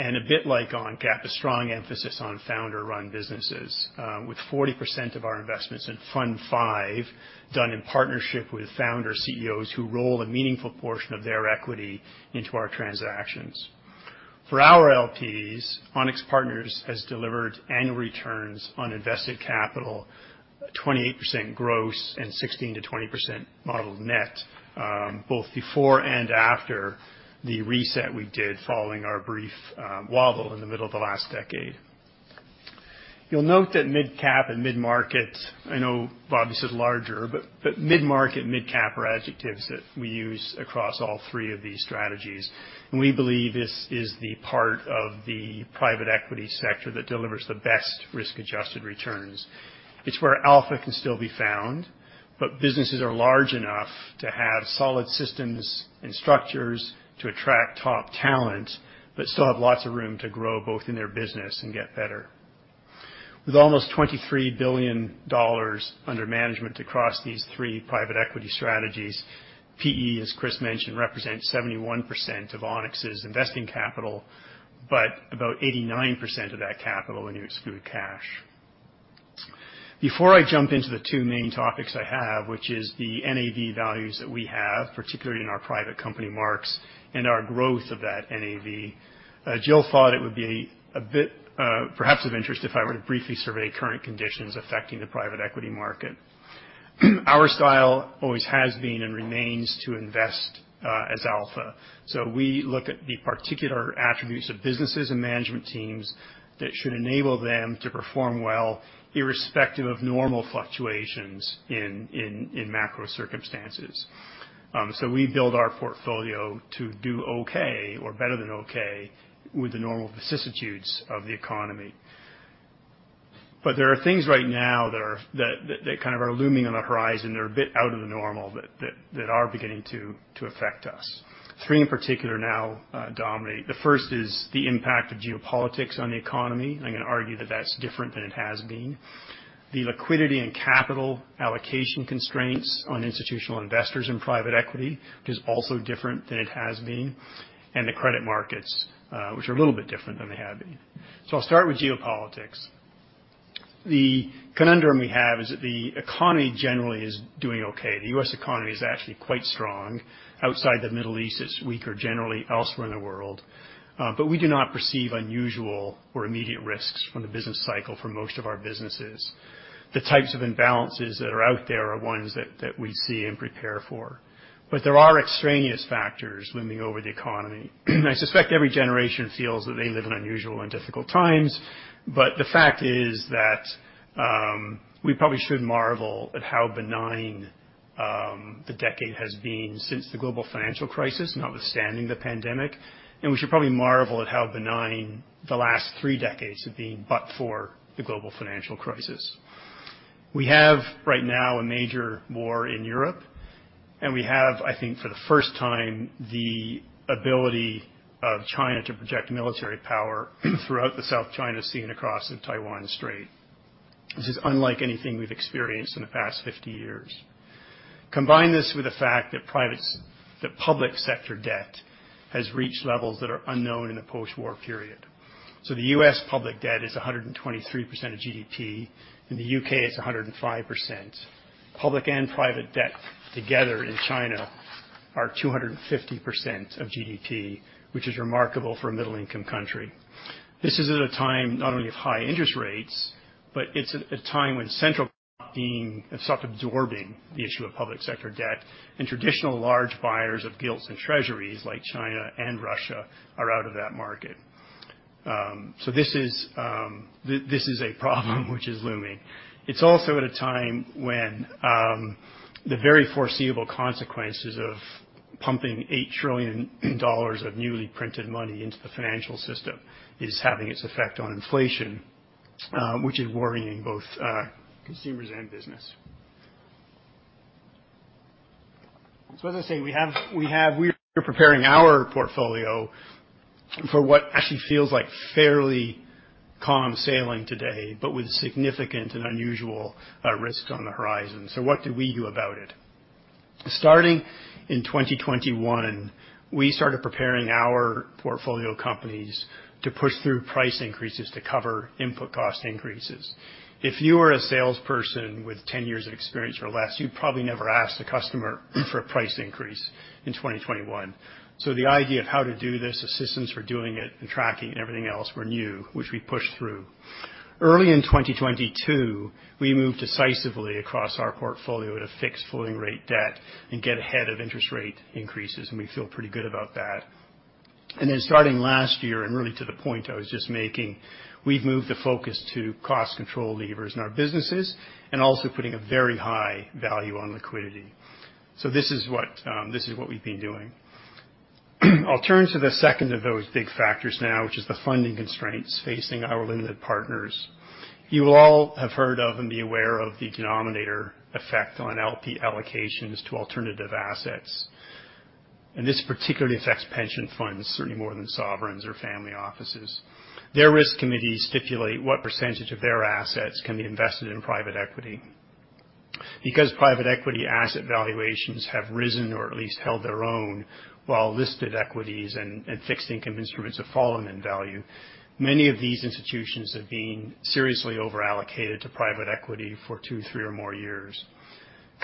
and a bit like ONCAP, a strong emphasis on founder-run businesses, with 40% of our investments in Fund V done in partnership with Founder CEOs, who roll a meaningful portion of their equity into our transactions. For our LPs, Onex Partners has delivered annual returns on invested capital, 28% gross and 16%-20% modeled net, both before and after the reset we did following our brief wobble in the middle of the last decade. You'll note that mid-cap and mid-market, I know Bob said larger, but mid-market, mid-cap are adjectives that we use across all three of these strategies. We believe this is the part of the Private Equity sector that delivers the best risk-adjusted returns. It's where alpha can still be found, but businesses are large enough to have solid systems and structures to attract top talent, but still have lots of room to grow, both in their business and get better. With almost $23 billion under management across these three Private Equity strategies, PE, as Chris mentioned, represents 71% of Onex's investing capital, but about 89% of that capital when you exclude cash. Before I jump into the two main topics I have, which is the NAV values that we have, particularly in our private company marks and our growth of that NAV, Jill thought it would be a bit, perhaps of interest if I were to briefly survey current conditions affecting the Private Equity market. Our style always has been and remains to invest, as alpha. So we look at the particular attributes of businesses and management teams that should enable them to perform well, irrespective of normal fluctuations in macro circumstances. So we build our portfolio to do okay or better than okay with the normal vicissitudes of the economy. But there are things right now that are that kind of are looming on the horizon that are a bit out of the normal that are beginning to affect us. Three in particular now dominate. The first is the impact of geopolitics on the economy. I'm going to argue that that's different than it has been. The liquidity and capital allocation constraints on institutional investors in Private Equity, which is also different than it has been, and the credit markets, which are a little bit different than they have been. So I'll start with geopolitics. The conundrum we have is that the economy generally is doing okay. The U.S. economy is actually quite strong. Outside the Middle East, it's weaker generally elsewhere in the world, but we do not perceive unusual or immediate risks from the business cycle for most of our businesses. The types of imbalances that are out there are ones that we see and prepare for. But there are extraneous factors looming over the economy. I suspect every generation feels that they live in unusual and difficult times, but the fact is that we probably should marvel at how benign the decade has been since the global financial crisis, notwithstanding the pandemic. We should probably marvel at how benign the last three decades have been, but for the global financial crisis. We have, right now, a major war in Europe, and we have, I think, for the first time, the ability of China to project military power throughout the South China Sea and across the Taiwan Strait. This is unlike anything we've experienced in the past 50 years. Combine this with the fact that that public sector debt has reached levels that are unknown in the post-war period. So the U.S. public debt is 123% of GDP, in the U.K., it's 105%. Public and private debt together in China are 250% of GDP, which is remarkable for a middle-income country. This is at a time not only of high interest rates, but it's at a time when central banks have stopped absorbing the issue of public sector debt, and traditional large buyers of gilts and treasuries, like China and Russia, are out of that market. So this is a problem which is looming. It's also at a time when the very foreseeable consequences of pumping $8 trillion of newly printed money into the financial system is having its effect on inflation, which is worrying both consumers and business. So as I say, we have, we have - we're preparing our portfolio for what actually feels like fairly calm sailing today, but with significant and unusual risks on the horizon. So what do we do about it? Starting in 2021, we started preparing our portfolio companies to push through price increases to cover input cost increases. If you were a salesperson with 10 years of experience or less, you probably never asked a customer for a price increase in 2021. So the idea of how to do this, assistance for doing it, and tracking and everything else were new, which we pushed through. Early in 2022, we moved decisively across our portfolio to fix floating rate debt and get ahead of interest rate increases, and we feel pretty good about that. And then starting last year, and really to the point I was just making, we've moved the focus to cost control levers in our businesses and also putting a very high value on liquidity. So this is what, this is what we've been doing. I'll turn to the second of those big factors now, which is the funding constraints facing our limited partners. You all have heard of and be aware of the denominator effect on LP allocations to alternative assets, and this particularly affects pension funds, certainly more than sovereigns or family offices. Their risk committees stipulate what percentage of their assets can be invested in Private Equity. Because Private Equity asset valuations have risen or at least held their own, while listed equities and fixed income instruments have fallen in value, many of these institutions have been seriously overallocated to Private Equity for two, three or more years.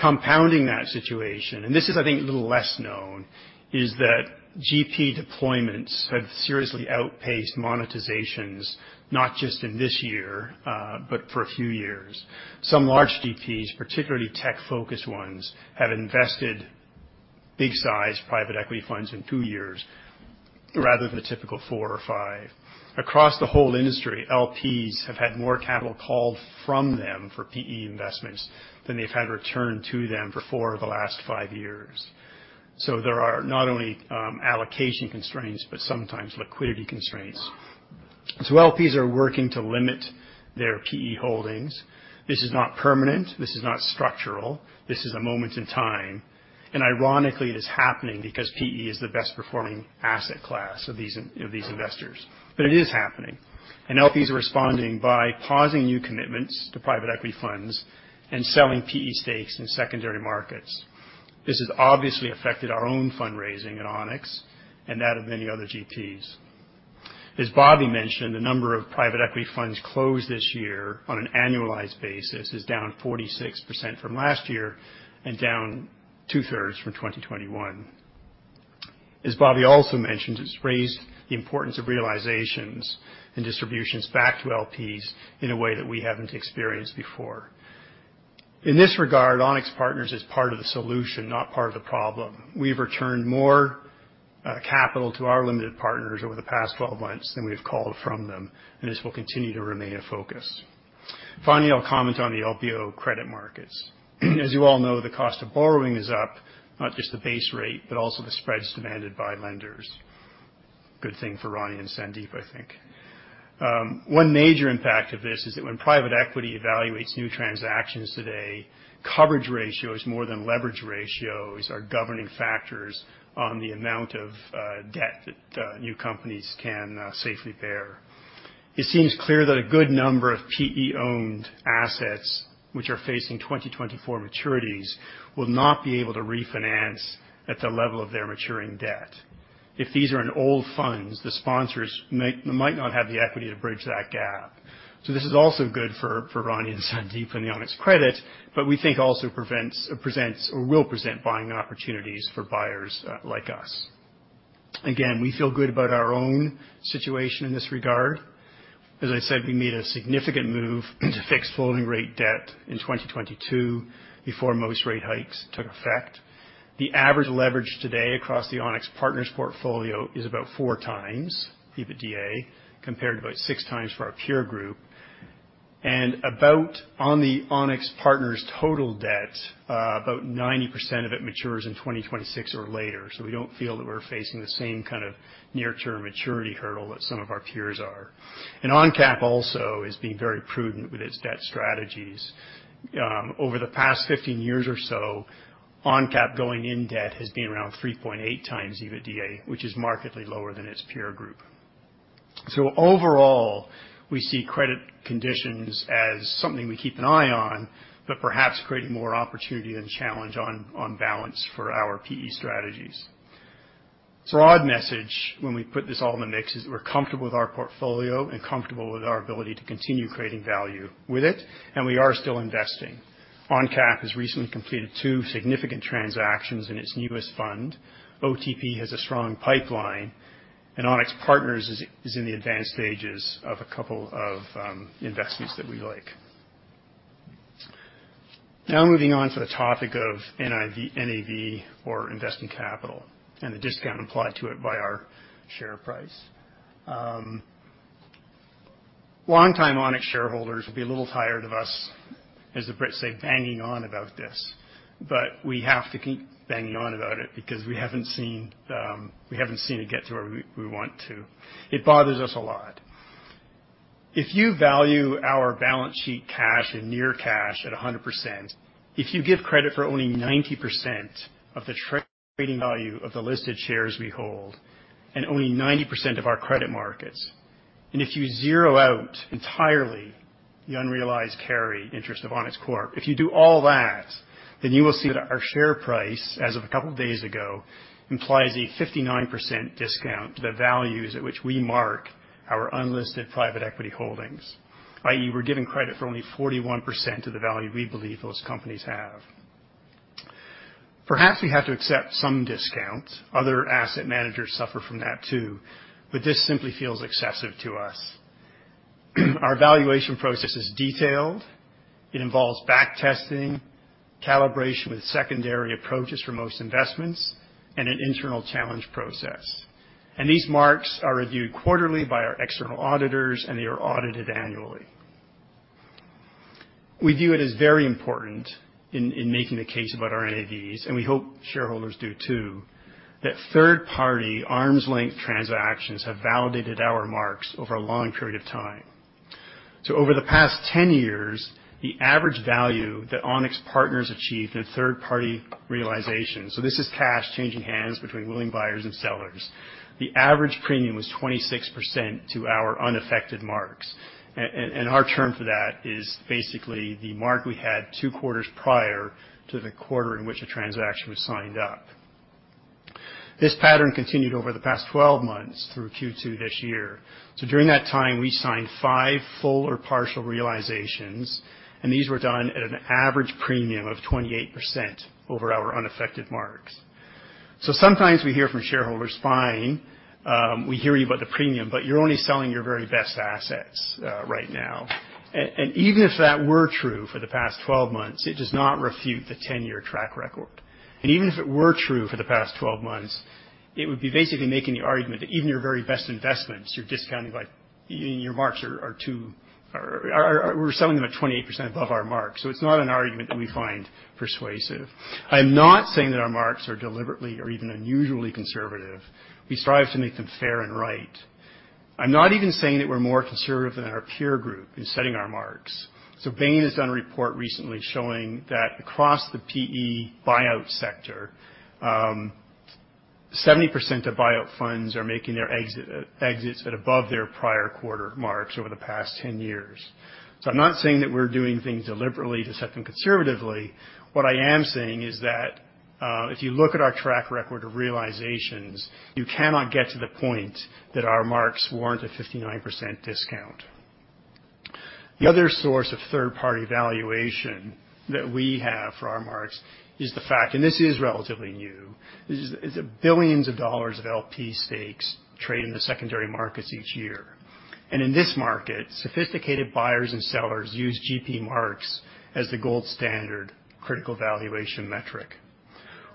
Compounding that situation, and this is, I think, a little less known, is that GP deployments have seriously outpaced monetizations, not just in this year, but for a few years. Some large GPs, particularly tech-focused ones, have invested big size Private Equity funds in two years rather than the typical four or five. Across the whole industry, LPs have had more capital called from them for PE investments than they've had returned to them for four of the last five years. So there are not only allocation constraints, but sometimes liquidity constraints. So LPs are working to limit their PE holdings. This is not permanent. This is not structural. This is a moment in time, and ironically, it is happening because PE is the best performing asset class of these investors. But it is happening, and LPs are responding by pausing new commitments to Private Equity funds and selling PE stakes in secondary markets. This has obviously affected our own fundraising at Onex and that of many other GPs. As Bobby mentioned, the number of Private Equity funds closed this year on an annualized basis is down 46% from last year and down 2/3 from 2021. As Bobby also mentioned, it's raised the importance of realizations and distributions back to LPs in a way that we haven't experienced before. In this regard, Onex Partners is part of the solution, not part of the problem. We've returned more capital to our limited partners over the past 12 months than we've called from them, and this will continue to remain a focus. Finally, I'll comment on the LBO credit markets. As you all know, the cost of borrowing is up, not just the base rate, but also the spreads demanded by lenders. Good thing for Ronnie and Sandeep, I think. One major impact of this is that when Private Equity evaluates new transactions today, coverage ratios more than leverage ratios are governing factors on the amount of debt that new companies can safely bear. It seems clear that a good number of PE-owned assets, which are facing 2024 maturities, will not be able to refinance at the level of their maturing debt. If these are in old funds, the sponsors might not have the equity to bridge that gap. So this is also good for Ronnie and Sandeep and the Onex Credit, but we think also prevents or presents or will present buying opportunities for buyers like us. Again, we feel good about our own situation in this regard. As I said, we made a significant move to fix floating rate debt in 2022 before most rate hikes took effect. The average leverage today across the Onex Partners portfolio is about 4x EBITDA, compared to about 6x for our peer group. About on the Onex Partners total debt, about 90% of it matures in 2026 or later. So we don't feel that we're facing the same kind of near-term maturity hurdle that some of our peers are. ONCAP also is being very prudent with its debt strategies. Over the past 15 years or so, ONCAP going in debt has been around 3.8x EBITDA, which is markedly lower than its peer group. So overall, we see credit conditions as something we keep an eye on, but perhaps creating more opportunity than challenge on, on balance for our PE strategies. So our message, when we put this all in the mix, is we're comfortable with our portfolio and comfortable with our ability to continue creating value with it, and we are still investing. ONCAP has recently completed two significant transactions in its newest fund. OTP has a strong pipeline, and Onex Partners is in the advanced stages of a couple of investments that we like. Now moving on to the topic of NAV or investing capital and the discount applied to it by our share price. Long-time Onex shareholders will be a little tired of us, as the Brits say, banging on about this, but we have to keep banging on about it because we haven't seen, we haven't seen it get to where we want to. It bothers us a lot. If you value our balance sheet cash and near cash at 100%, if you give credit for only 90% of the trading value of the listed shares we hold, and only 90% of our credit markets, and if you zero out entirely the unrealized carry interest of Onex Corp, if you do all that, then you will see that our share price, as of a couple of days ago, implies a 59% discount to the values at which we mark our unlisted Private Equity holdings, i.e., we're giving credit for only 41% of the value we believe those companies have. Perhaps we have to accept some discount. Other asset managers suffer from that too, but this simply feels excessive to us. Our valuation process is detailed. It involves back testing, calibration with secondary approaches for most investments, and an internal challenge process. And these marks are reviewed quarterly by our external auditors, and they are audited annually. We view it as very important in making the case about our NAVs, and we hope shareholders do too, that third-party arm's length transactions have validated our marks over a long period of time. So over the past 10 years, the average value that Onex Partners achieved in a third-party realization, so this is cash changing hands between willing buyers and sellers. The average premium was 26% to our unaffected marks, and our term for that is basically the mark we had two quarters prior to the quarter in which a transaction was signed up. This pattern continued over the past 12 months through Q2 this year. So during that time, we signed five full or partial realizations, and these were done at an average premium of 28% over our unaffected marks. So sometimes we hear from shareholders, "Fine, we hear you about the premium, but you're only selling your very best assets, right now." And even if that were true for the past 12 months, it does not refute the 10-year track record. And even if it were true for the past 12 months, it would be basically making the argument that even your very best investments, you're discounting by-- your marks are too, we're selling them at 28% above our mark. So it's not an argument that we find persuasive. I'm not saying that our marks are deliberately or even unusually conservative. We strive to make them fair and right. I'm not even saying that we're more conservative than our peer group in setting our marks. Bain has done a report recently showing that across the PE buyout sector, 70% of buyout funds are making their exits at above their prior quarter marks over the past 10 years. I'm not saying that we're doing things deliberately to set them conservatively. What I am saying is that if you look at our track record of realizations, you cannot get to the point that our marks warrant a 59% discount. The other source of third-party valuation that we have for our marks is the fact, and this is relatively new, that billions of dollars of LP stakes trade in the secondary markets each year. In this market, sophisticated buyers and sellers use GP marks as the gold standard critical valuation metric.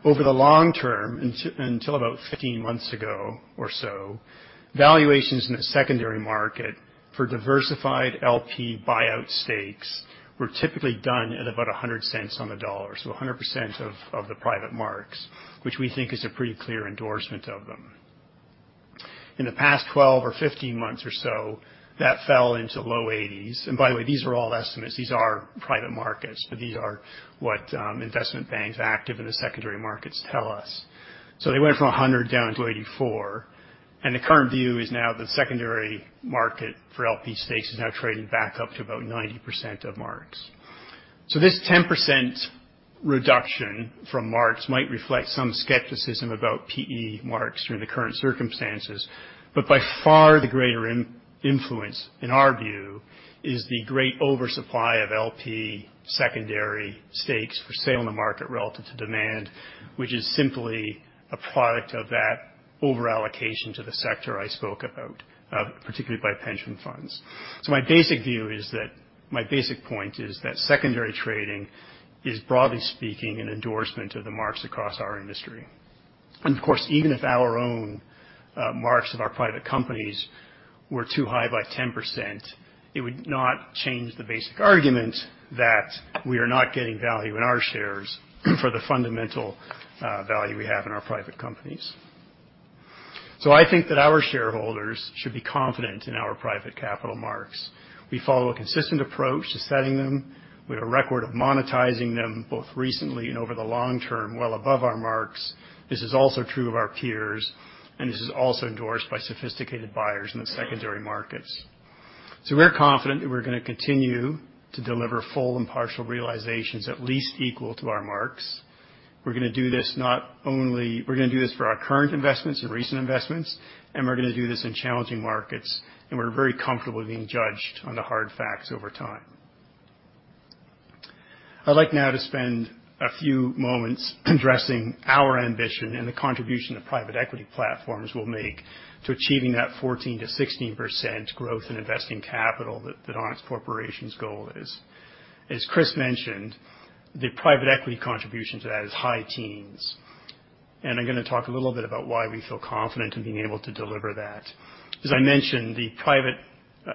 Over the long term, until about 15 months ago or so, valuations in the secondary market for diversified LP buyout stakes were typically done at about 100 cents on the dollar, so 100% of the private marks, which we think is a pretty clear endorsement of them. In the past 12 or 15 months or so, that fell into low 80s. By the way, these are all estimates. These are private markets, but these are what investment banks active in the secondary markets tell us. So they went from 100 down to 84, and the current view is now the secondary market for LP stakes is now trading back up to about 90% of marks. So this 10% reduction from marks might reflect some skepticism about PE marks during the current circumstances, but by far, the greater influence, in our view, is the great oversupply of LP secondary stakes for sale on the market relative to demand, which is simply a product of that over allocation to the sector I spoke about, particularly by pension funds. So my basic view is that—my basic point is that secondary trading is, broadly speaking, an endorsement of the marks across our industry. And of course, even if our own marks of our private companies were too high by 10%, it would not change the basic argument that we are not getting value in our shares for the fundamental value we have in our private companies. So I think that our shareholders should be confident in our private capital marks. We follow a consistent approach to setting them. We have a record of monetizing them, both recently and over the long term, well above our marks. This is also true of our peers, and this is also endorsed by sophisticated buyers in the secondary markets. So we're confident that we're gonna continue to deliver full and partial realizations, at least equal to our marks. We're gonna do this not only, we're gonna do this for our current investments and recent investments, and we're gonna do this in challenging markets, and we're very comfortable being judged on the hard facts over time. I'd like now to spend a few moments addressing our ambition and the contribution the Private Equity platforms will make to achieving that 14%-16% growth in investing capital that Onex Corporation's goal is. As Chris mentioned, the Private Equity contribution to that is high teens. I'm gonna talk a little bit about why we feel confident in being able to deliver that. As I mentioned, the Private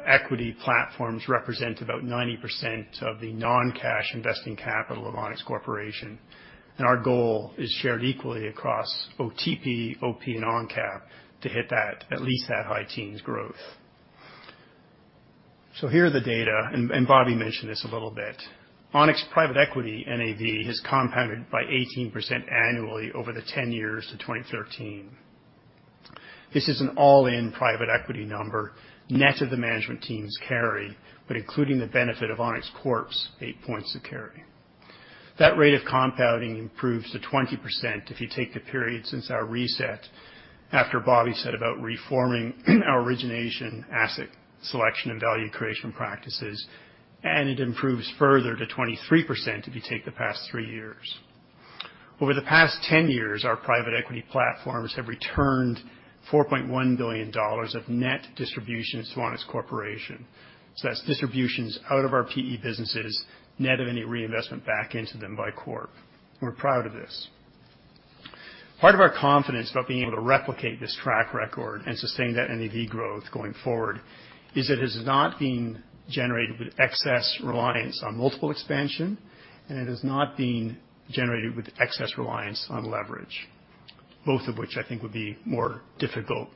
Equity platforms represent about 90% of the non-cash investing capital of Onex Corporation, and our goal is shared equally across OTP, OP, and ONCAP to hit that, at least that high teens growth. So here are the data, and, and Bobby mentioned this a little bit. Onex Private Equity NAV has compounded by 18% annually over the 10 years to 2013. This is an all-in Private Equity number, net of the management team's carry, but including the benefit of Onex Corp's 8 points of carry. That rate of compounding improves to 20% if you take the period since our reset, after Bobby set about reforming our origination, asset selection, and value creation practices, and it improves further to 23% if you take the past three years. Over the past 10 years, our Private Equity platforms have returned $4.1 billion of net distributions to Onex Corporation. So that's distributions out of our PE businesses, net of any reinvestment back into them by Corp. We're proud of this. Part of our confidence about being able to replicate this track record and sustain that NAV growth going forward is it has not been generated with excess reliance on multiple expansion, and it has not been generated with excess reliance on leverage, both of which I think would be more difficult,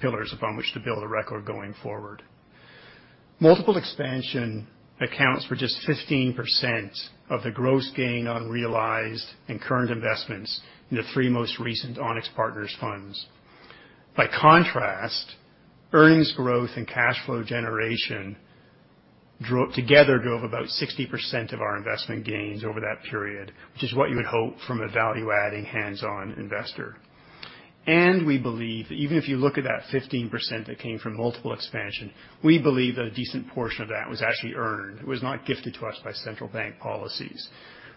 pillars upon which to build a record going forward. Multiple expansion accounts for just 15% of the gross gain on realized and current investments in the three most recent Onex Partners funds. By contrast, earnings growth and cash flow generation drove, together, about 60% of our investment gains over that period, which is what you would hope from a value-adding, hands-on investor. We believe, even if you look at that 15% that came from multiple expansion, we believe that a decent portion of that was actually earned. It was not gifted to us by central bank policies.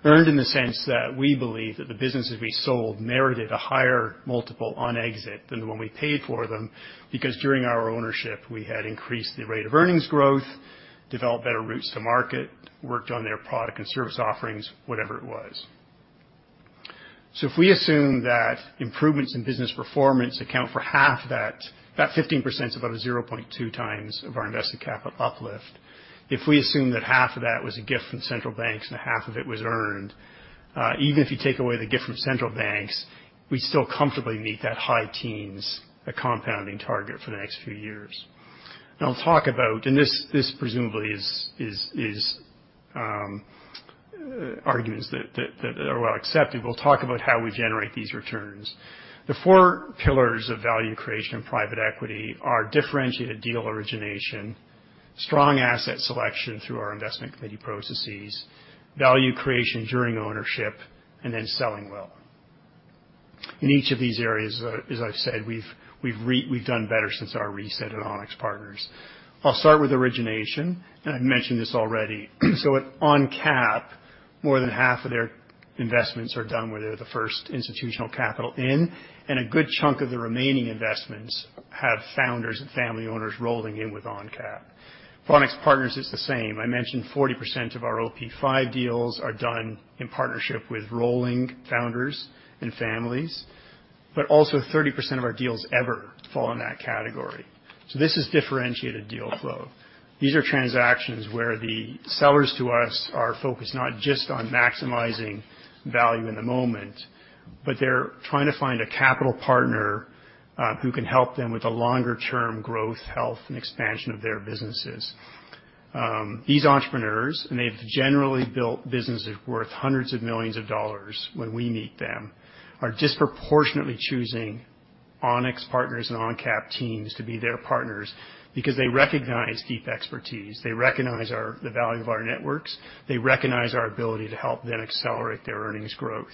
Earned in the sense that we believe that the businesses we sold merited a higher multiple on exit than when we paid for them, because during our ownership, we had increased the rate of earnings growth, developed better routes to market, worked on their product and service offerings, whatever it was. So if we assume that improvements in business performance account for half that, that 15% is about a 0.2x of our invested capital uplift. If we assume that half of that was a gift from central banks and half of it was earned, even if you take away the gift from central banks, we still comfortably meet that high teens compounding target for the next few years. Now, I'll talk about... And this presumably is arguments that are well accepted. We'll talk about how we generate these returns. The four pillars of value creation in Private Equity are differentiated deal origination, strong asset selection through our investment committee processes, value creation during ownership, and then selling well. In each of these areas, as I've said, we've done better since our reset at Onex Partners. I'll start with origination, and I've mentioned this already. So at ONCAP, more than half of their investments are done where they're the first institutional capital in, and a good chunk of the remaining investments have founders and family owners rolling in with ONCAP. For Onex Partners, it's the same. I mentioned 40% of our OP V deals are done in partnership with rolling founders and families, but also 30% of our deals ever fall in that category. So this is differentiated deal flow. These are transactions where the sellers to us are focused not just on maximizing value in the moment, but they're trying to find a capital partner who can help them with a longer-term growth, health, and expansion of their businesses. These entrepreneurs, and they've generally built businesses worth hundreds of millions of dollars when we meet them, are disproportionately choosing Onex Partners and ONCAP teams to be their partners because they recognize deep expertise, they recognize the value of our networks, they recognize our ability to help them accelerate their earnings growth.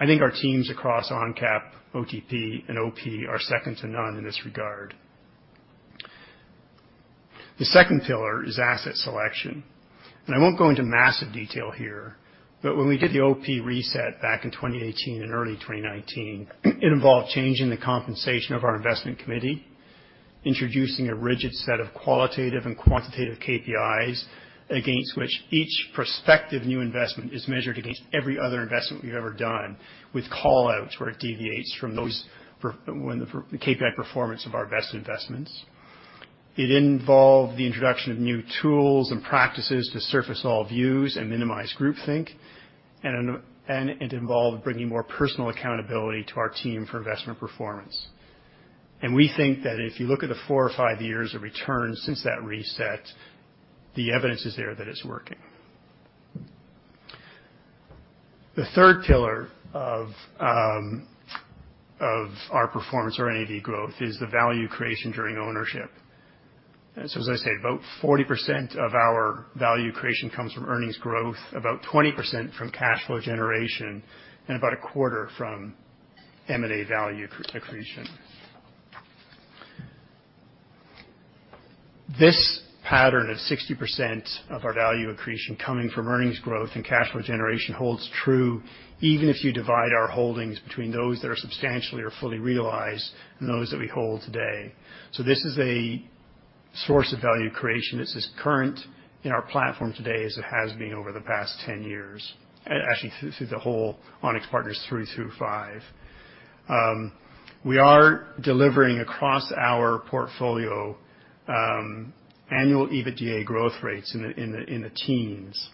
I think our teams across ONCAP, OTP, and OP are second to none in this regard. The second pillar is asset selection, and I won't go into massive detail here, but when we did the OP reset back in 2018 and early 2019, it involved changing the compensation of our investment committee, introducing a rigid set of qualitative and quantitative KPIs against which each prospective new investment is measured against every other investment we've ever done, with call-outs where it deviates from those when the KPI performance of our best investments. It involved the introduction of new tools and practices to surface all views and minimize groupthink, and it involved bringing more personal accountability to our team for investment performance. We think that if you look at the four or five years of returns since that reset, the evidence is there that it's working. The third pillar of our performance or NAV growth is the value creation during ownership. So as I say, about 40% of our value creation comes from earnings growth, about 20% from cash flow generation, and about 25% from M&A value accretion. This pattern of 60% of our value accretion coming from earnings growth and cash flow generation holds true, even if you divide our holdings between those that are substantially or fully realized and those that we hold today. So this is a source of value creation that's as current in our platform today as it has been over the past 10 years, actually, through the whole Onex Partners through five. We are delivering across our portfolio, annual EBITDA growth rates in the teens.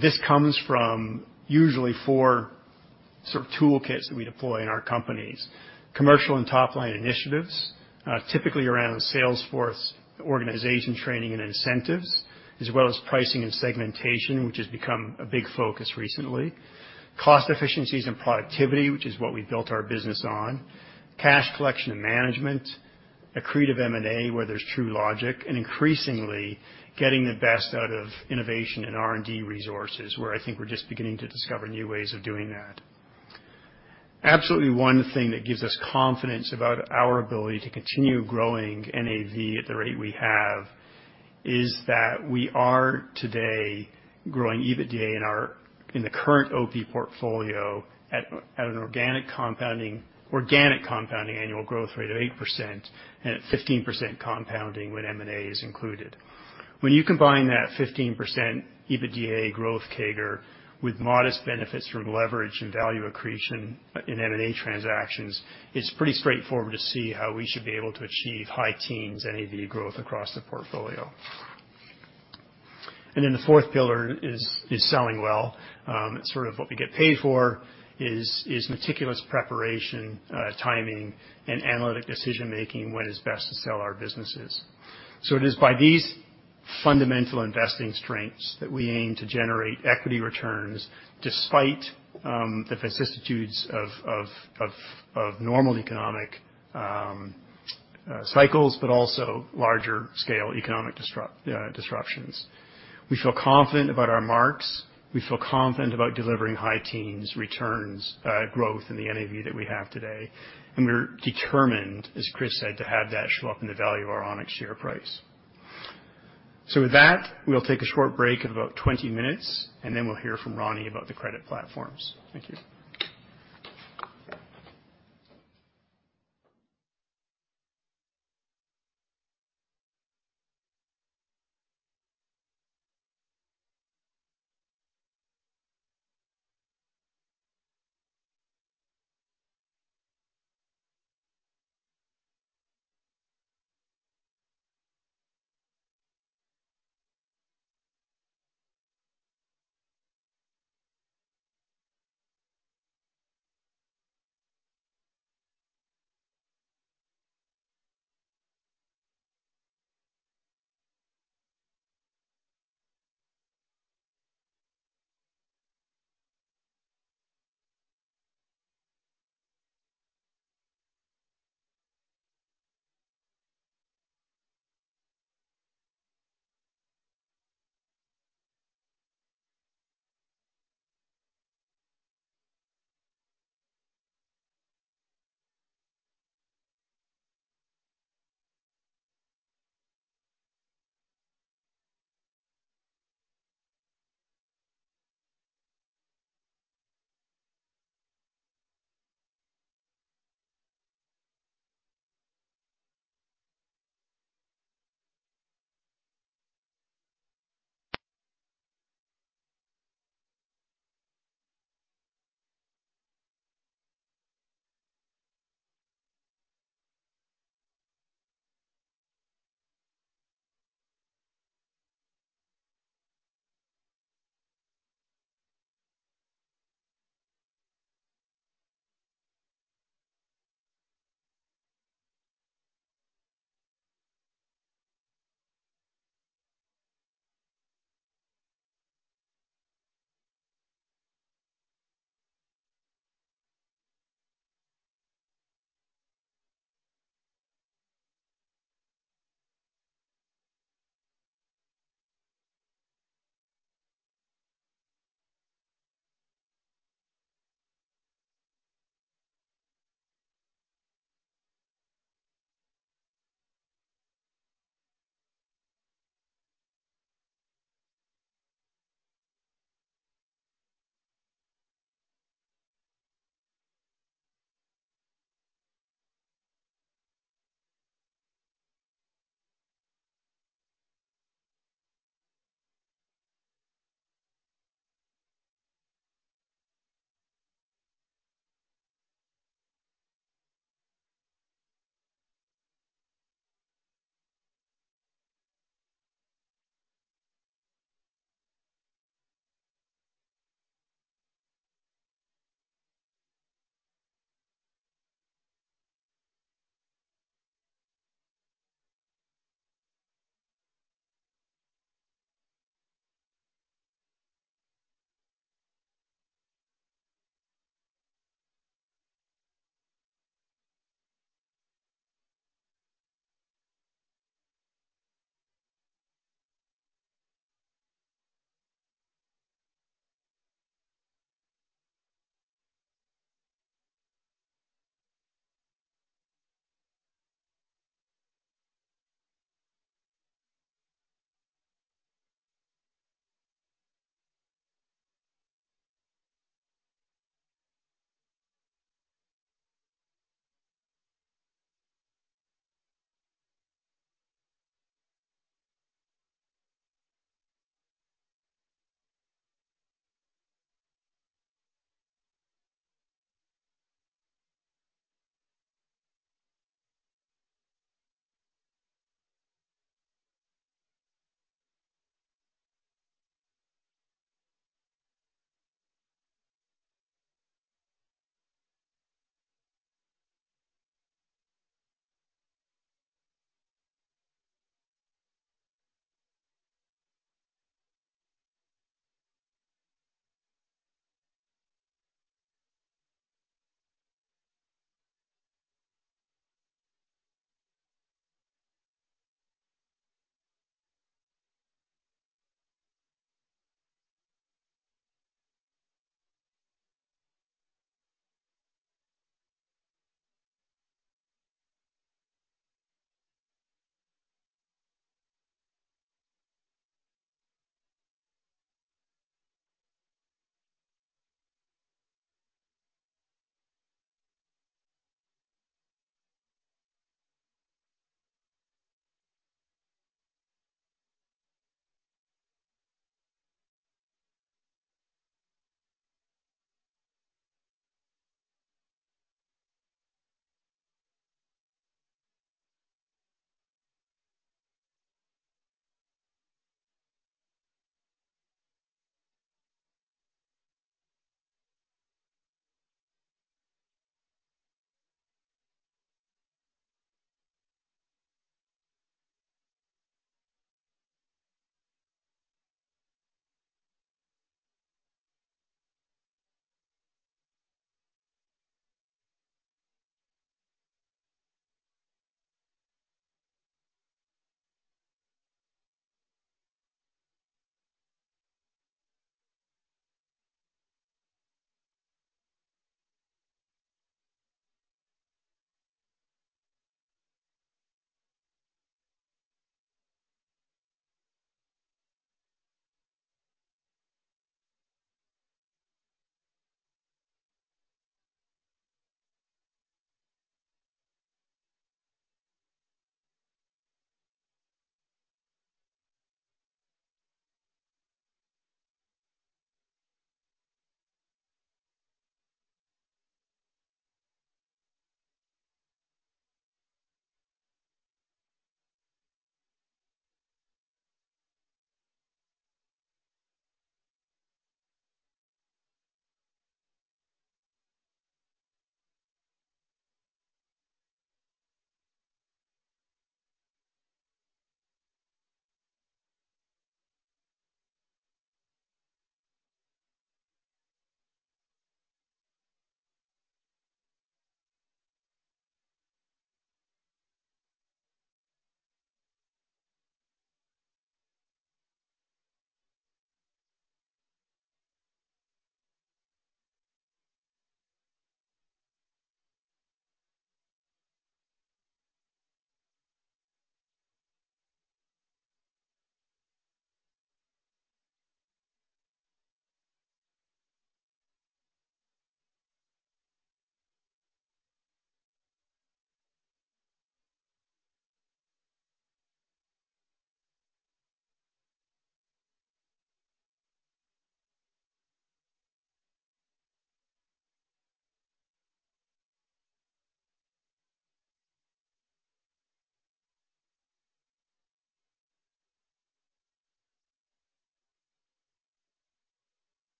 This comes from usually four sort of toolkits that we deploy in our companies. Commercial and top-line initiatives, typically around sales force, organization training and incentives, as well as pricing and segmentation, which has become a big focus recently. Cost efficiencies and productivity, which is what we built our business on. Cash collection and management, accretive M&A, where there's true logic, and increasingly, getting the best out of innovation and R&D resources, where I think we're just beginning to discover new ways of doing that. Absolutely, one thing that gives us confidence about our ability to continue growing NAV at the rate we have, is that we are today growing EBITDA in the current OP portfolio at an organic compounding annual growth rate of 8% and at 15% compounding when M&A is included. When you combine that 15% EBITDA growth CAGR with modest benefits from leverage and value accretion in M&A transactions, it's pretty straightforward to see how we should be able to achieve high teens NAV growth across the portfolio. And then the fourth pillar is selling well. It's sort of what we get paid for is meticulous preparation, timing, and analytic decision-making when it's best to sell our businesses. It is by these fundamental investing strengths that we aim to generate equity returns despite the vicissitudes of normal economic... cycles, but also larger scale economic disruptions. We feel confident about our marks. We feel confident about delivering high teens returns, growth in the NAV that we have today, and we're determined, as Chris said, to have that show up in the value of our Onex share price. So with that, we'll take a short break of about 20 minutes, and then we'll hear from Ronnie about the credit platforms. Thank you.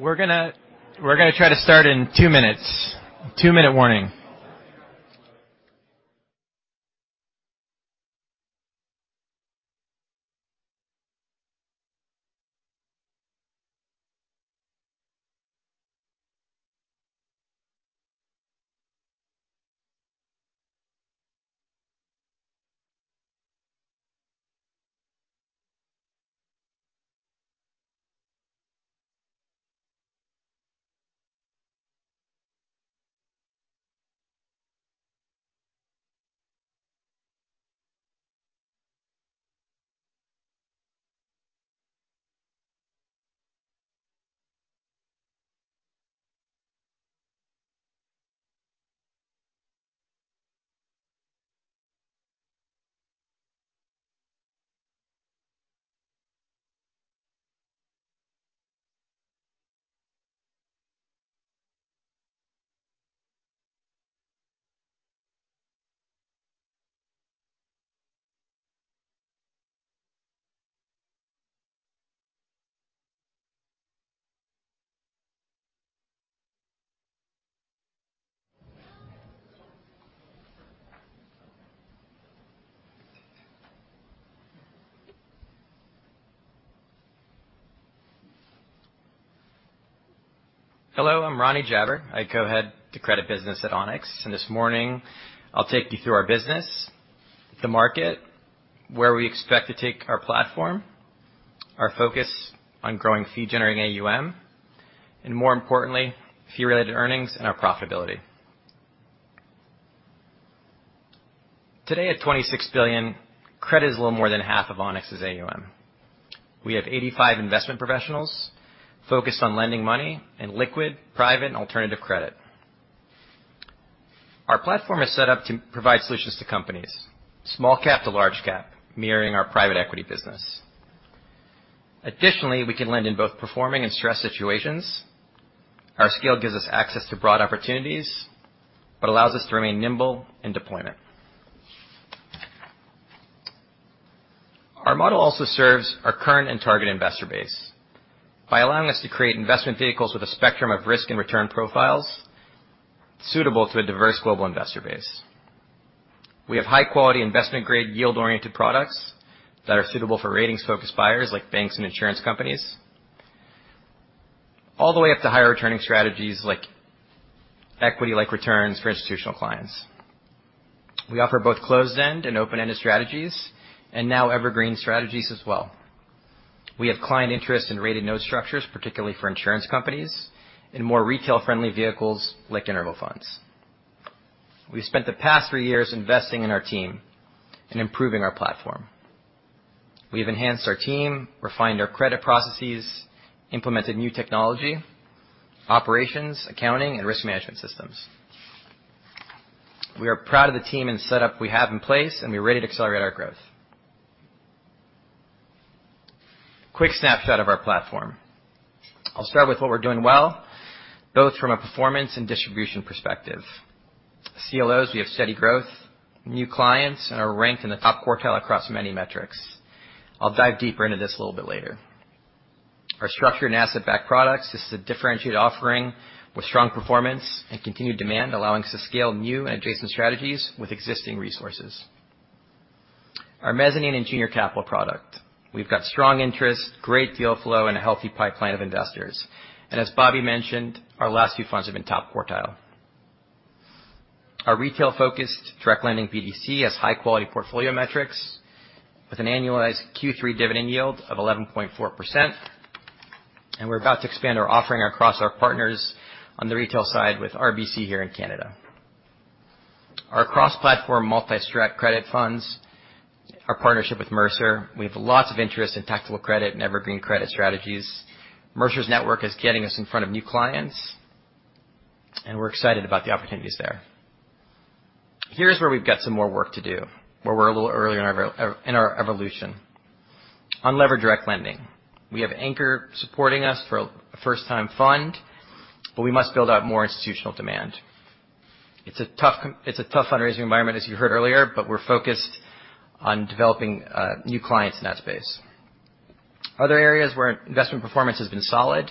We're gonna, we're gonna try to start in two minutes. two-minute warning. Hello, I'm Ronnie Jaber. I Co-head the credit business at Onex, and this morning I'll take you through our business, the market, where we expect to take our platform, our focus on growing fee-generating AUM, and more importantly, fee-related earnings and our profitability. Today, at $26 billion, credit is a little more than half of Onex's AUM. We have 85 investment professionals focused on lending money in liquid, private, and alternative credit. Our platform is set up to provide solutions to companies, small-cap to large-cap, mirroring our Private Equity business. Additionally, we can lend in both performing and stress situations. Our scale gives us access to broad opportunities, but allows us to remain nimble in deployment. Our model also serves our current and target investor base by allowing us to create investment vehicles with a spectrum of risk and return profiles suitable to a diverse global investor base. We have high quality investment grade, yield-oriented products that are suitable for ratings-focused buyers like banks and insurance companies, all the way up to higher returning strategies like equity-like returns for institutional clients. We offer both closed-end and open-ended strategies, and now Evergreen strategies as well. We have client interest in rated note structures, particularly for insurance companies and more retail-friendly vehicles like interval funds. We've spent the past three years investing in our team and improving our platform. We've enhanced our team, refined our credit processes, implemented new technology, operations, accounting, and risk management systems. We are proud of the team and setup we have in place, and we're ready to accelerate our growth. Quick snapshot of our platform. I'll start with what we're doing well, both from a performance and distribution perspective. CLOs, we have steady growth, new clients, and are ranked in the top quartile across many metrics. I'll dive deeper into this a little bit later. Our structured and asset-backed products. This is a differentiated offering with strong performance and continued demand, allowing us to scale new and adjacent strategies with existing resources. Our mezzanine and junior capital product. We've got strong interest, great deal flow, and a healthy pipeline of investors. And as Bobby mentioned, our last few funds have been top quartile. Our retail-focused, direct lending BDC has high-quality portfolio metrics with an annualized Q3 dividend yield of 11.4%, and we're about to expand our offering across our partners on the retail side with RBC here in Canada. Our cross-platform multi-strat credit funds, our partnership with Mercer. We have lots of interest in taxable credit and Evergreen Credit strategies. Mercer's network is getting us in front of new clients, and we're excited about the opportunities there. Here's where we've got some more work to do, where we're a little earlier in our evolution. Unlevered direct lending, we have anchor supporting us for a first-time fund, but we must build out more institutional demand. It's a tough fundraising environment, as you heard earlier, but we're focused on developing new clients in that space. Other areas where investment performance has been solid,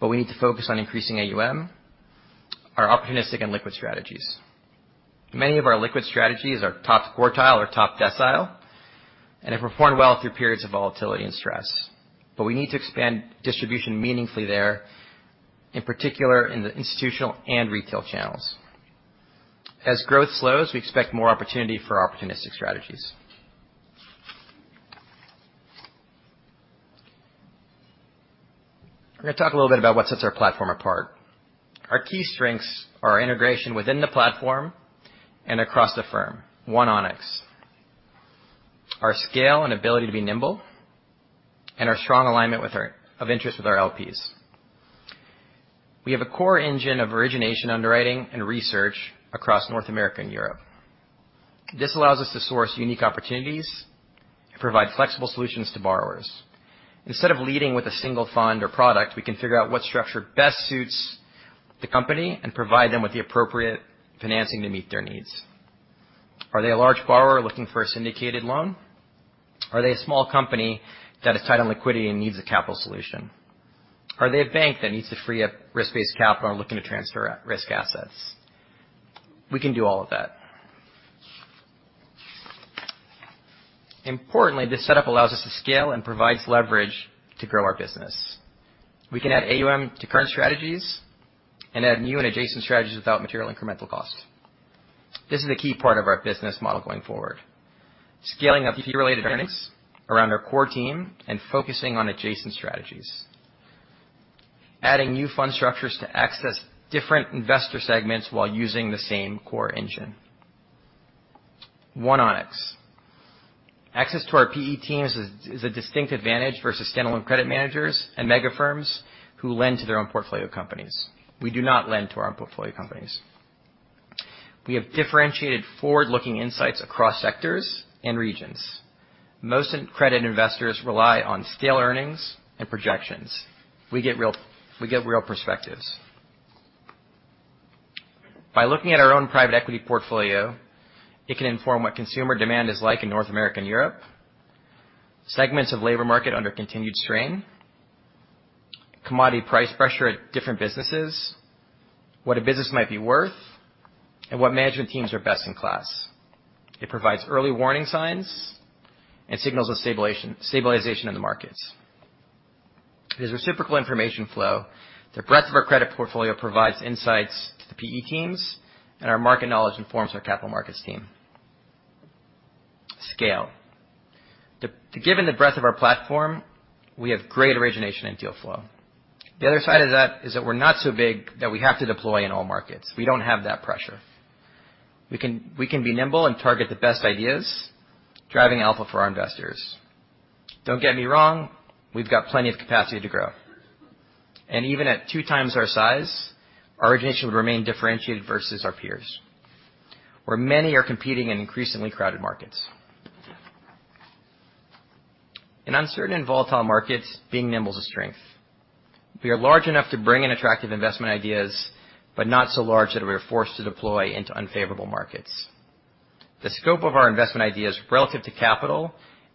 but we need to focus on increasing AUM are opportunistic and liquid strategies. Many of our liquid strategies are top quartile or top decile, and have performed well through periods of volatility and stress. But we need to expand distribution meaningfully there, in particular in the institutional and retail channels. As growth slows, we expect more opportunity for opportunistic strategies. I'm gonna talk a little bit about what sets our platform apart. Our key strengths are our integration within the platform and across the firm, One Onex, our scale and ability to be nimble, and our strong alignment of interests with our LPs. We have a core engine of origination, underwriting, and research across North America and Europe. This allows us to source unique opportunities and provide flexible solutions to borrowers. Instead of leading with a single fund or product, we can figure out what structure best suits the company and provide them with the appropriate financing to meet their needs. Are they a large borrower looking for a syndicated loan? Are they a small company that is tight on liquidity and needs a capital solution? Are they a bank that needs to free up risk-based capital and looking to transfer risk assets? We can do all of that. Importantly, this setup allows us to scale and provides leverage to grow our business. We can add AUM to current strategies and add new and adjacent strategies without material incremental cost. This is a key part of our business model going forward, scaling up fee-related earnings around our core team and focusing on adjacent strategies, adding new fund structures to access different investor segments while using the same core engine.... One Onex. Access to our PE teams is a distinct advantage versus standalone credit managers and mega firms who lend to their own portfolio companies. We do not lend to our own portfolio companies. We have differentiated forward-looking insights across sectors and regions. Most credit investors rely on scale earnings and projections. We get real, we get real perspectives. By looking at our own Private Equity portfolio, it can inform what consumer demand is like in North America and Europe, segments of labor market under continued strain, commodity price pressure at different businesses, what a business might be worth, and what management teams are best in class. It provides early warning signs and signals of stabilization in the markets. There's reciprocal information flow. The breadth of our credit portfolio provides insights to the PE teams, and our market knowledge informs our capital markets team. Scale. To, to given the breadth of our platform, we have great origination and deal flow. The other side of that is that we're not so big that we have to deploy in all markets. We don't have that pressure. We can, we can be nimble and target the best ideas, driving alpha for our investors. Don't get me wrong, we've got plenty of capacity to grow, and even at two times our size, our origination would remain differentiated versus our peers, where many are competing in increasingly crowded markets. In uncertain and volatile markets, being nimble is a strength. We are large enough to bring in attractive investment ideas, but not so large that we are forced to deploy into unfavorable markets. The scope of our investment ideas relative to capital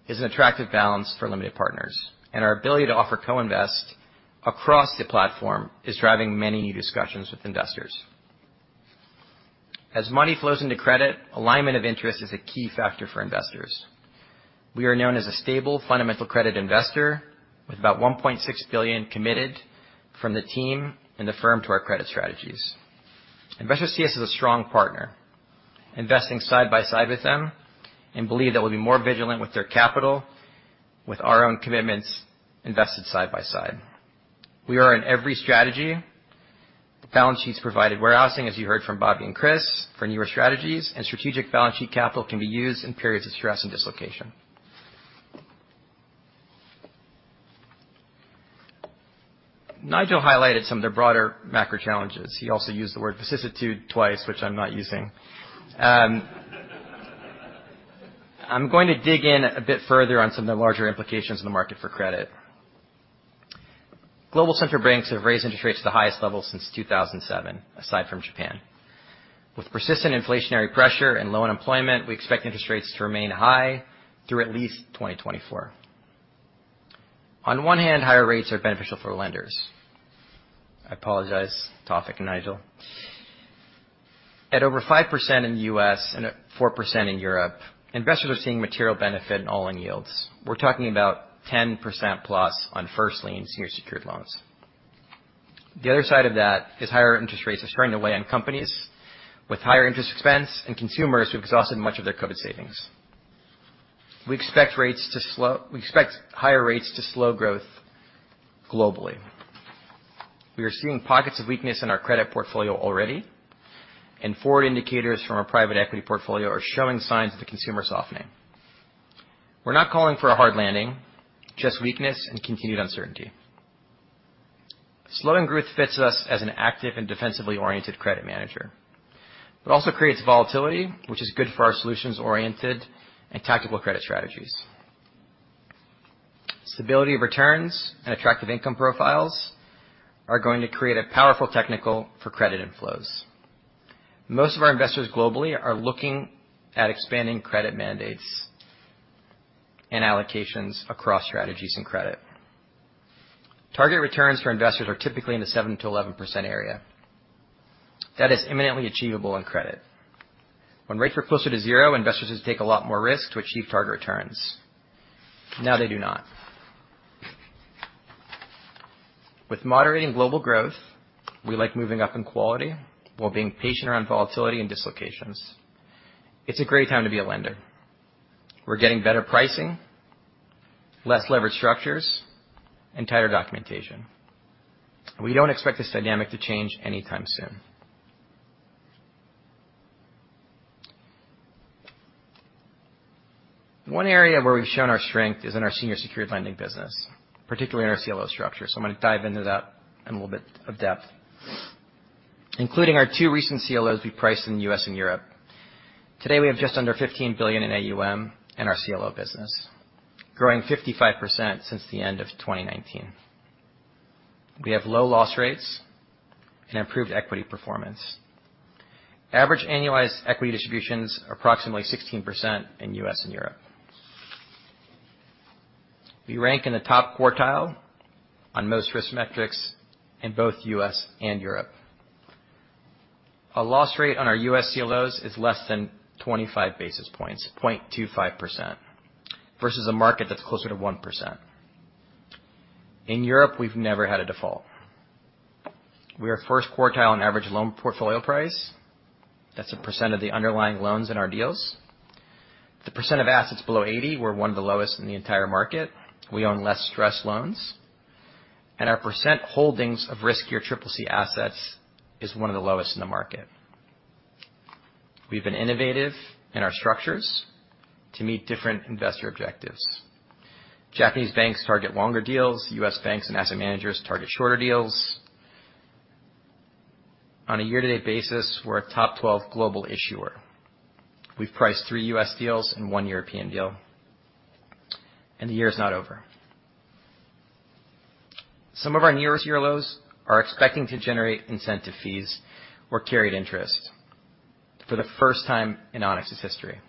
is an attractive balance for limited partners, and our ability to offer co-invest across the platform is driving many new discussions with investors. As money flows into credit, alignment of interest is a key factor for investors. We are known as a stable, fundamental credit investor with about $1.6 billion committed from the team and the firm to our Credit Strategies. Investors see us as a strong partner, investing side by side with them, and believe that we'll be more vigilant with their capital, with our own commitments invested side by side. We are in every strategy. The balance sheets provided warehousing, as you heard from Bobby and Chris, for newer strategies and strategic balance sheet capital can be used in periods of stress and dislocation. Nigel highlighted some of the broader macro challenges. He also used the word vicissitude twice, which I'm not using. I'm going to dig in a bit further on some of the larger implications in the market for credit. Global central banks have raised interest rates to the highest level since 2007, aside from Japan. With persistent inflationary pressure and low unemployment, we expect interest rates to remain high through at least 2024. On one hand, higher rates are beneficial for lenders. I apologize, Tawfiq and Nigel. At over 5% in the U.S. and at 4% in Europe, investors are seeing material benefit in all-in yields. We're talking about 10%+ on first lien senior secured loans. The other side of that is higher interest rates are starting to weigh on companies with higher interest expense and consumers who've exhausted much of their COVID savings. We expect higher rates to slow growth globally. We are seeing pockets of weakness in our credit portfolio already, and forward indicators from our Private Equity portfolio are showing signs of the consumer softening. We're not calling for a hard landing, just weakness and continued uncertainty. Slowing growth fits us as an active and defensively oriented credit manager. It also creates volatility, which is good for our solutions-oriented and tactical Credit Strategies. Stability of returns and attractive income profiles are going to create a powerful technical for credit inflows. Most of our investors globally are looking at expanding credit mandates and allocations across strategies and credit. Target returns for investors are typically in the 7%-11% area. That is imminently achievable on credit. When rates were closer to zero, investors take a lot more risk to achieve target returns. Now they do not. With moderating global growth, we like moving up in quality while being patient around volatility and dislocations. It's a great time to be a lender. We're getting better pricing, less leverage structures, and tighter documentation. We don't expect this dynamic to change anytime soon. One area where we've shown our strength is in our senior secured lending business, particularly in our CLO structure. So I'm going to dive into that in a little bit of depth. Including our two recent CLOs we priced in the U.S. and Europe, today, we have just under $15 billion in AUM in our CLO business, growing 55% since the end of 2019. We have low loss rates and improved equity performance. Average annualized equity distributions, approximately 16% in U.S. and Europe. We rank in the top quartile on most risk metrics in both U.S. and Europe. Our loss rate on our U.S. CLOs is less than 25 basis points, 0.25%, versus a market that's closer to 1%. In Europe, we've never had a default. We are first quartile on average loan portfolio price. That's a percent of the underlying loans in our deals. The percent of assets below 80, we're one of the lowest in the entire market. We own less stressed loans.... and our percent holdings of riskier CCC assets is one of the lowest in the market. We've been innovative in our structures to meet different investor objectives. Japanese banks target longer deals, U.S. banks and asset managers target shorter deals. On a year-to-date basis, we're a top 12 global issuer. We've priced three U.S. deals and one European deal, and the year is not over. Some of our nearest CLOs are expecting to generate incentive fees or carried interest for the first time in Onex's history.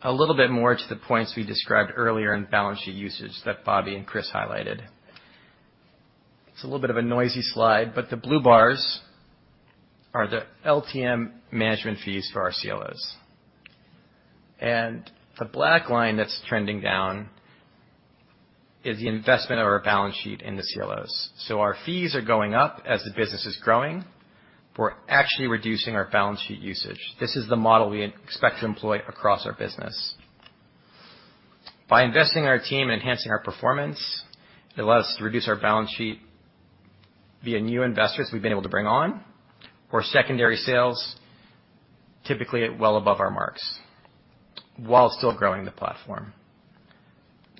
A little bit more to the points we described earlier in balance sheet usage that Bobby and Chris highlighted. It's a little bit of a noisy slide, but the blue bars are the LTM management fees for our CLOs, and the black line that's trending down is the investment of our balance sheet in the CLOs. So our fees are going up as the business is growing. We're actually reducing our balance sheet usage. This is the model we expect to employ across our business. By investing in our team and enhancing our performance, it allows us to reduce our balance sheet via new investors we've been able to bring on, or secondary sales, typically well above our marks, while still growing the platform.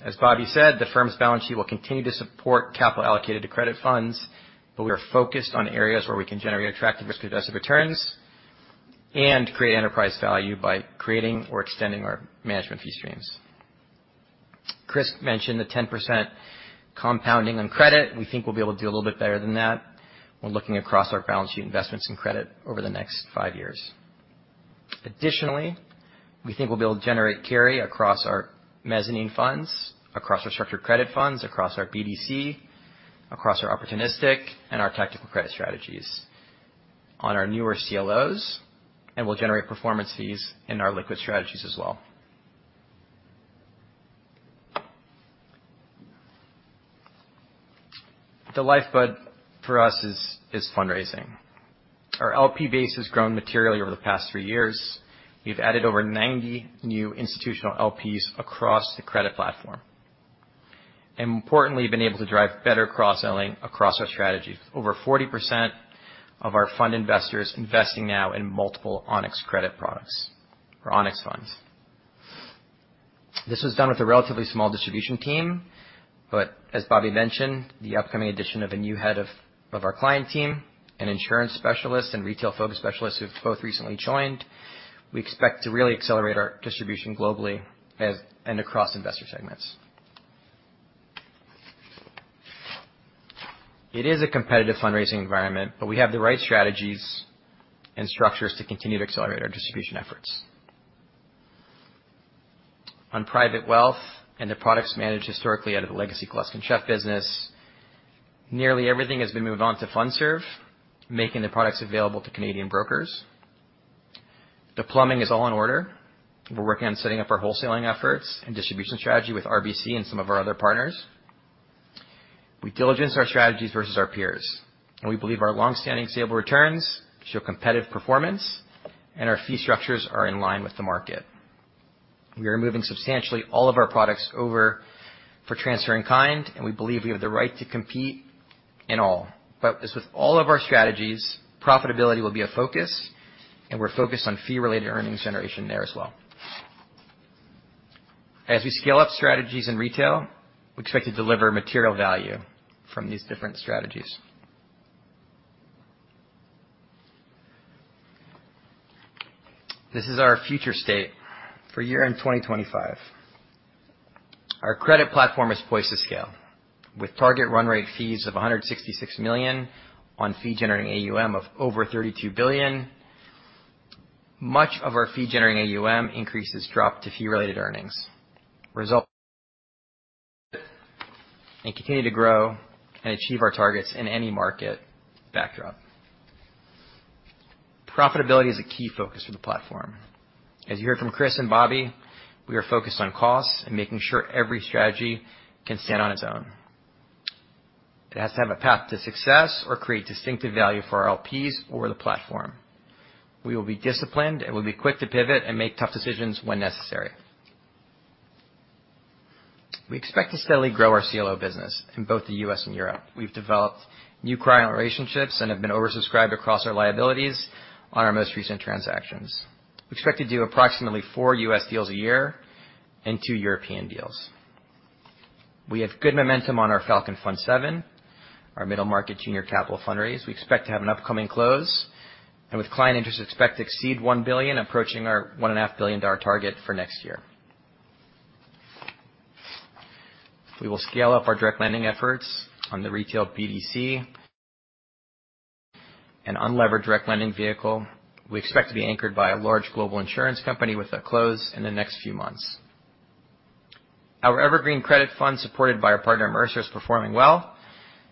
As Bobby said, the firm's balance sheet will continue to support capital allocated to credit funds, but we are focused on areas where we can generate attractive risk-adjusted returns and create enterprise value by creating or extending our management fee streams. Chris mentioned the 10% compounding on credit. We think we'll be able to do a little bit better than that when looking across our balance sheet investments in credit over the next five years. Additionally, we think we'll be able to generate carry across our mezzanine funds, across our structured credit funds, across our BDC, across our opportunistic, and our tactical Credit strategies on our newer CLOs, and we'll generate performance fees in our liquid strategies as well. The lifeblood for us is fundraising. Our LP base has grown materially over the past three years. We've added over 90 new institutional LPs across the credit platform, and importantly, been able to drive better cross-selling across our strategies. Over 40% of our fund investors investing now in multiple Onex Credit products or Onex funds. This was done with a relatively small distribution team, but as Bobby mentioned, the upcoming addition of a new head of our client team, an insurance specialist, and retail-focused specialist who've both recently joined, we expect to really accelerate our distribution globally as and across investor segments. It is a competitive fundraising environment, but we have the right strategies and structures to continue to accelerate our distribution efforts. On Private Wealth and the products managed historically out of the legacy Gluskin Sheff business, nearly everything has been moved on to Fundserv, making the products available to Canadian brokers. The plumbing is all in order. We're working on setting up our wholesaling efforts and distribution strategy with RBC and some of our other partners. We diligence our strategies versus our peers, and we believe our long-standing stable returns show competitive performance, and our fee structures are in line with the market. We are moving substantially all of our products over for transfer in kind, and we believe we have the right to compete in all. But as with all of our strategies, profitability will be a focus, and we're focused on fee-related earnings generation there as well. As we scale up strategies in retail, we expect to deliver material value from these different strategies. This is our future state for year-end 2025. Our credit platform is poised to scale, with target run rate fees of $166 million on fee-generating AUM of over $32 billion. Much of our fee-generating AUM increases drop to fee-related earnings, result and continue to grow and achieve our targets in any market backdrop. Profitability is a key focus for the platform. As you hear from Chris and Bobby, we are focused on costs and making sure every strategy can stand on its own. It has to have a path to success or create distinctive value for our LPs or the platform. We will be disciplined, and we'll be quick to pivot and make tough decisions when necessary. We expect to steadily grow our CLO business in both the U.S. and Europe. We've developed new client relationships and have been oversubscribed across our liabilities on our most recent transactions. We expect to do approximately four U.S. deals a year and two European deals. We have good momentum on our Falcon Fund VII, our middle market junior capital fundraise. We expect to have an upcoming close, and with client interest, expect to exceed $1 billion, approaching our $1.5 billion target for next year. We will scale up our direct lending efforts on the retail BDC and unlevered direct lending vehicle. We expect to be anchored by a large global insurance company with a close in the next few months. Our Evergreen Credit Fund, supported by our partner Mercer, is performing well,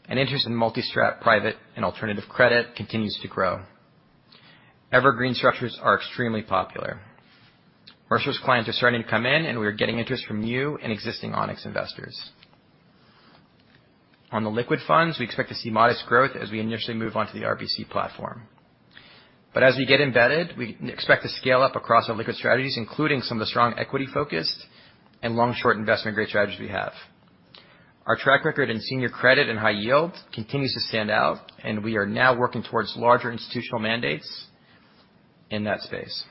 and interest in multi-strat, private, and alternative credit continues to grow. Evergreen structures are extremely popular. Mercer's clients are starting to come in, and we are getting interest from new and existing Onex investors. On the liquid funds, we expect to see modest growth as we initially move on to the RBC platform. But as we get embedded, we expect to scale up across our liquid strategies, including some of the strong equity-focused and long-short investment-grade strategies we have. Our track record in senior credit and high yield continues to stand out, and we are now working towards larger institutional mandates in that space.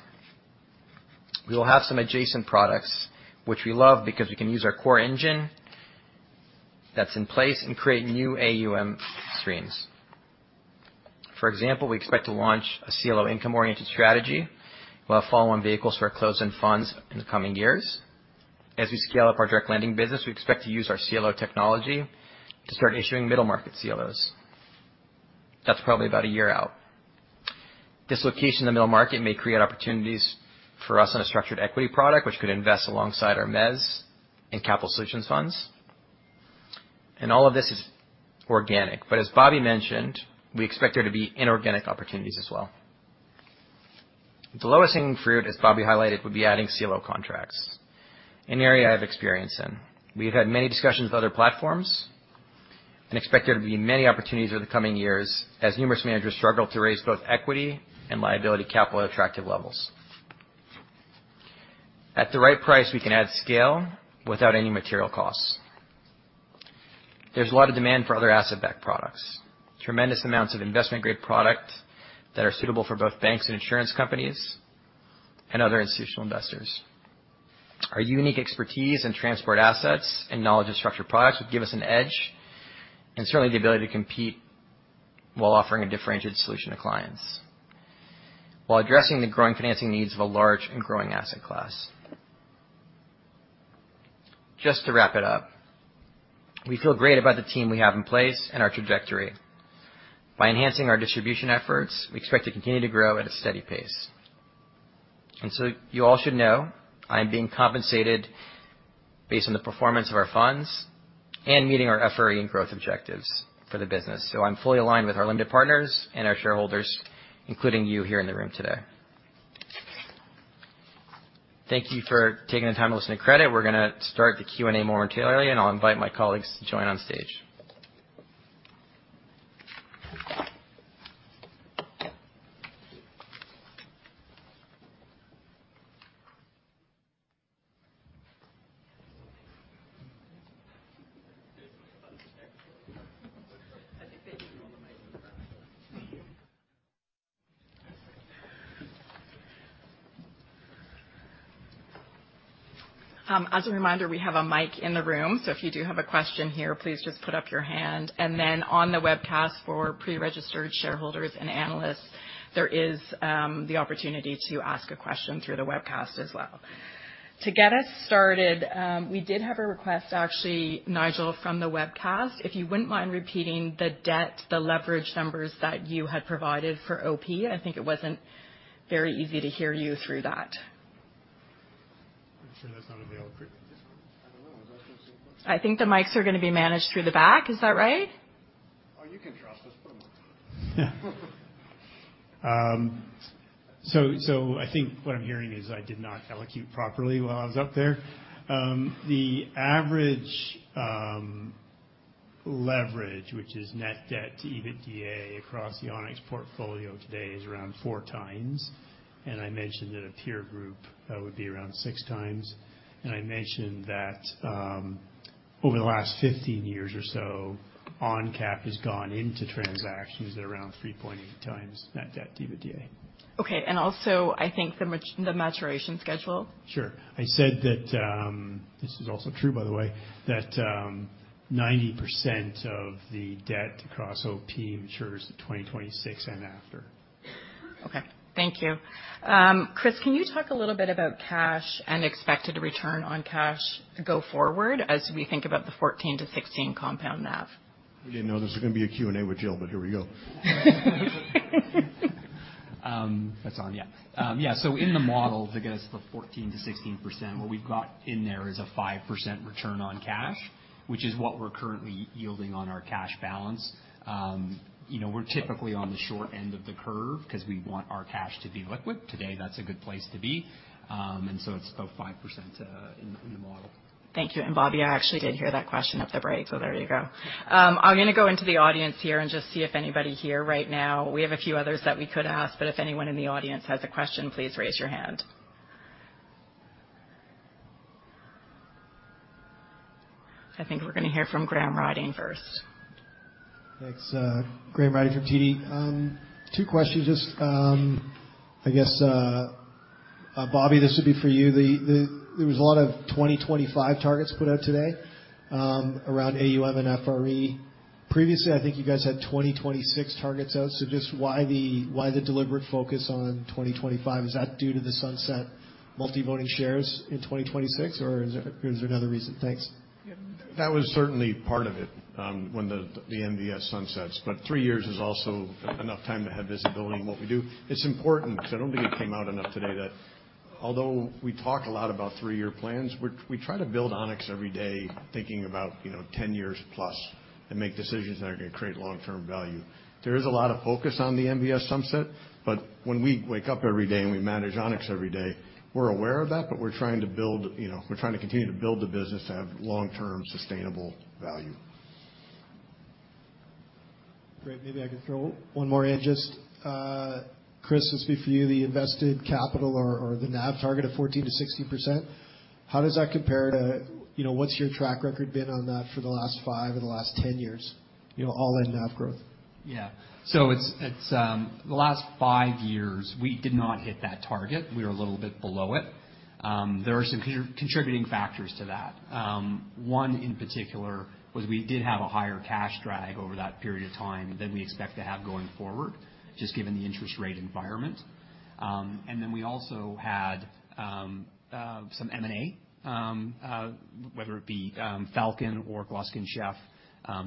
We will have some adjacent products which we love because we can use our core engine that's in place and create new AUM streams. For example, we expect to launch a CLO income-oriented strategy, while follow-on vehicles are closed in funds in the coming years. As we scale up our direct lending business, we expect to use our CLO technology to start issuing middle market CLOs. That's probably about a year out. Dislocation in the middle market may create opportunities for us in a structured equity product, which could invest alongside our Mezz and capital solutions funds. All of this is organic, but as Bobby mentioned, we expect there to be inorganic opportunities as well. The lowest hanging fruit, as Bobby highlighted, would be adding CLO contracts, an area I have experience in. We've had many discussions with other platforms and expect there to be many opportunities over the coming years as numerous managers struggle to raise both equity and liability capital at attractive levels. At the right price, we can add scale without any material costs. There's a lot of demand for other asset-backed products, tremendous amounts of investment-grade product that are suitable for both banks and insurance companies and other institutional investors. Our unique expertise in transport assets and knowledge of structured products would give us an edge and certainly the ability to compete while offering a differentiated solution to clients, while addressing the growing financing needs of a large and growing asset class. Just to wrap it up, we feel great about the team we have in place and our trajectory. By enhancing our distribution efforts, we expect to continue to grow at a steady pace. And so you all should know, I am being compensated based on the performance of our funds and meeting our FRE and growth objectives for the business. So I'm fully aligned with our limited partners and our shareholders, including you here in the room today. Thank you for taking the time to listen to credit. We're going to start the Q&A momentarily, and I'll invite my colleagues to join on stage. As a reminder, we have a mic in the room, so if you do have a question here, please just put up your hand. And then on the webcast for pre-registered shareholders and analysts, there is the opportunity to ask a question through the webcast as well. To get us started, we did have a request, actually, Nigel, from the webcast. If you wouldn't mind repeating the debt, the leverage numbers that you had provided for OP. I think it wasn't very easy to hear you through that. Are you sure that's not available? I think the mics are going to be managed through the back. Is that right? Oh, you can trust us. Put them on. So, I think what I'm hearing is I did not elocute properly while I was up there. The average leverage, which is net debt to EBITDA across the Onex portfolio today, is around 4x, and I mentioned that a peer group would be around 6x. I mentioned that over the last 15 years or so, ONCAP has gone into transactions around 3.8x net debt to EBITDA. Okay. And also, I think the maturation schedule. Sure. I said that, this is also true, by the way, that 90% of the debt across OP matures in 2026 and after. Okay. Thank you. Chris, can you talk a little bit about cash and expected return on cash go forward as we think about the 14-16 compound NAV? We didn't know this was going to be a Q&A with Jill, but here we go. That's on. So in the model, to get us to the 14%-16%, what we've got in there is a 5% return on cash, which is what we're currently yielding on our cash balance. You know, we're typically on the short end of the curve because we want our cash to be liquid. Today, that's a good place to be. And so it's about 5% in the model. Thank you. And Bobby, I actually did hear that question at the break, so there you go. I'm going to go into the audience here and just see if anybody here right now. We have a few others that we could ask, but if anyone in the audience has a question, please raise your hand. I think we're going to hear from Graham Ryding first. Thanks. Graham Ryding from TD. Two questions. Just, I guess, Bobby, this would be for you. There was a lot of 2025 targets put out today, around AUM and FRE. Previously, I think you guys had 2026 targets out, so just why the deliberate focus on 2025? Is that due to the sunset multi-voting shares in 2026, or is there another reason? Thanks. That was certainly part of it, when the MVS sunsets, but three years is also enough time to have visibility in what we do. It's important, because I don't think it came out enough today, that although we talk a lot about three-year plans, we try to build Onex every day, thinking about, you know, 10 years plus, and make decisions that are going to create long-term value. There is a lot of focus on the MVS sunset, but when we wake up every day and we manage Onex every day, we're aware of that, but we're trying to build... You know, we're trying to continue to build the business to have long-term, sustainable value. ... Great. Maybe I could throw one more in. Just, Chris, this will be for you, the invested capital or, or the NAV target of 14%-16%, how does that compare to, you know, what's your track record been on that for the last five or the last 10 years? You know, all in NAV growth. Yeah. So it's the last five years, we did not hit that target. We were a little bit below it. There are some contributing factors to that. One, in particular, was we did have a higher cash drag over that period of time than we expect to have going forward, just given the interest rate environment. And then we also had some M&A, whether it be Falcon or Gluskin Sheff,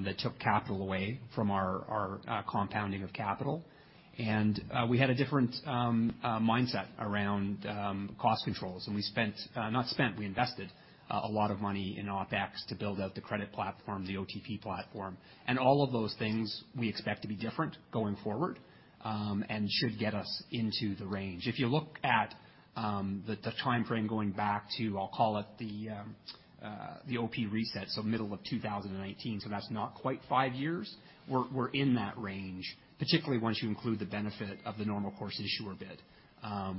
that took capital away from our compounding of capital. And we had a different mindset around cost controls, and we invested a lot of money in OpEx to build out the credit platform, the OTP platform. And all of those things we expect to be different going forward, and should get us into the range. If you look at the timeframe going back to, I'll call it the OP reset, so middle of 2018, so that's not quite five years, we're in that range, particularly once you include the benefit of the normal course issuer bid.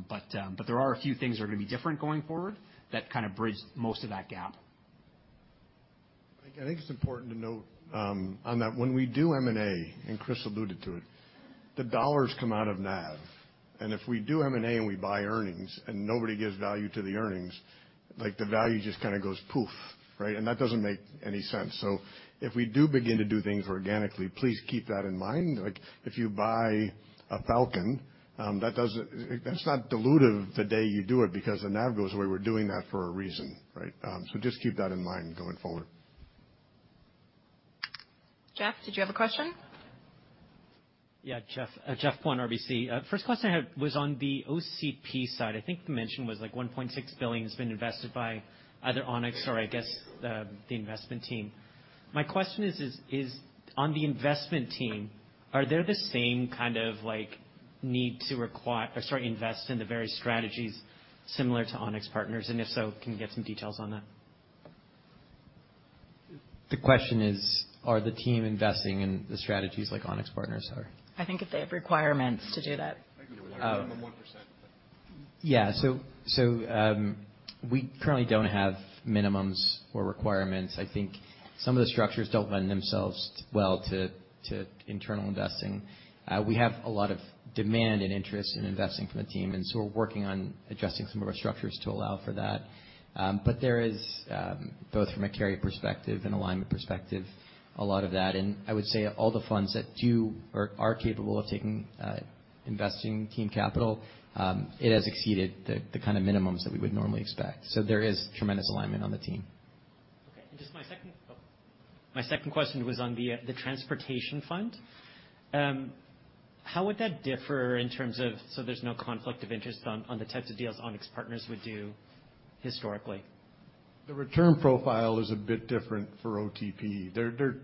But there are a few things that are gonna be different going forward that kind of bridge most of that gap. I think, I think it's important to note, on that when we do M&A, and Chris alluded to it, the dollars come out of NAV. And if we do M&A, and we buy earnings, and nobody gives value to the earnings, like, the value just kind of goes poof, right? And that doesn't make any sense. So if we do begin to do things organically, please keep that in mind. Like, if you buy a Falcon, that doesn't, that's not dilutive the day you do it, because the NAV goes away. We're doing that for a reason, right? So just keep that in mind going forward. Geoff, did you have a question? Yeah. Geoff Kwan, RBC. First question I had was on the ONCAP side. I think the mention was, like, $1.6 billion has been invested by either Onex or, I guess, the, the investment team. My question is, is, is on the investment team, are there the same kind of, like, need to require... or, sorry, invest in the various strategies similar to Onex Partners? And if so, can you give some details on that? The question is, are the team investing in the strategies like Onex Partners are? I think if they have requirements to do that. Minimum 1%. Yeah. So, we currently don't have minimums or requirements. I think some of the structures don't lend themselves well to internal investing. We have a lot of demand and interest in investing from the team, and so we're working on adjusting some of our structures to allow for that. But there is both from a carry perspective and alignment perspective, a lot of that. And I would say all the funds that do or are capable of taking investing team capital, it has exceeded the kind of minimums that we would normally expect. So there is tremendous alignment on the team. Okay. And just my second question was on the transportation fund. How would that differ in terms of so there's no conflict of interest on the types of deals Onex Partners would do historically? The return profile is a bit different for OTP. They're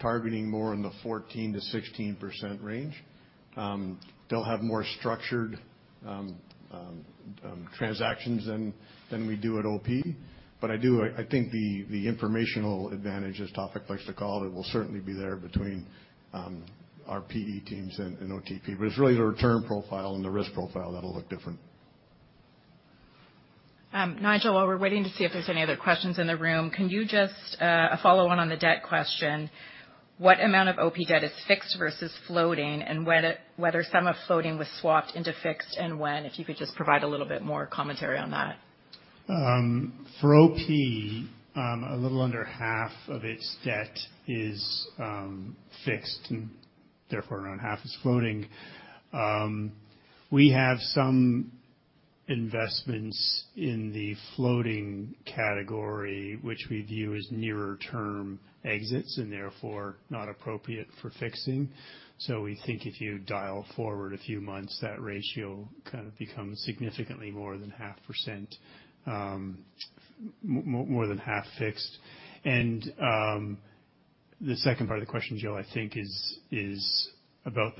targeting more in the 14%-16% range. They'll have more structured transactions than we do at OP. But I do, I think the informational advantage, as Tawfiq likes to call it, will certainly be there between our PE teams and OTP. But it's really the return profile and the risk profile that'll look different. Nigel, while we're waiting to see if there's any other questions in the room, can you just, a follow-on on the debt question. What amount of OP debt is fixed versus floating, and whether some of floating was swapped into fixed and when? If you could just provide a little bit more commentary on that. For OP, a little under half of its debt is fixed, and therefore, around half is floating. We have some investments in the floating category, which we view as nearer term exits and therefore not appropriate for fixing. So we think if you dial forward a few months, that ratio kind of becomes significantly more than 0.5%, more than half fixed. And, the second part of the question, Jill, I think, is about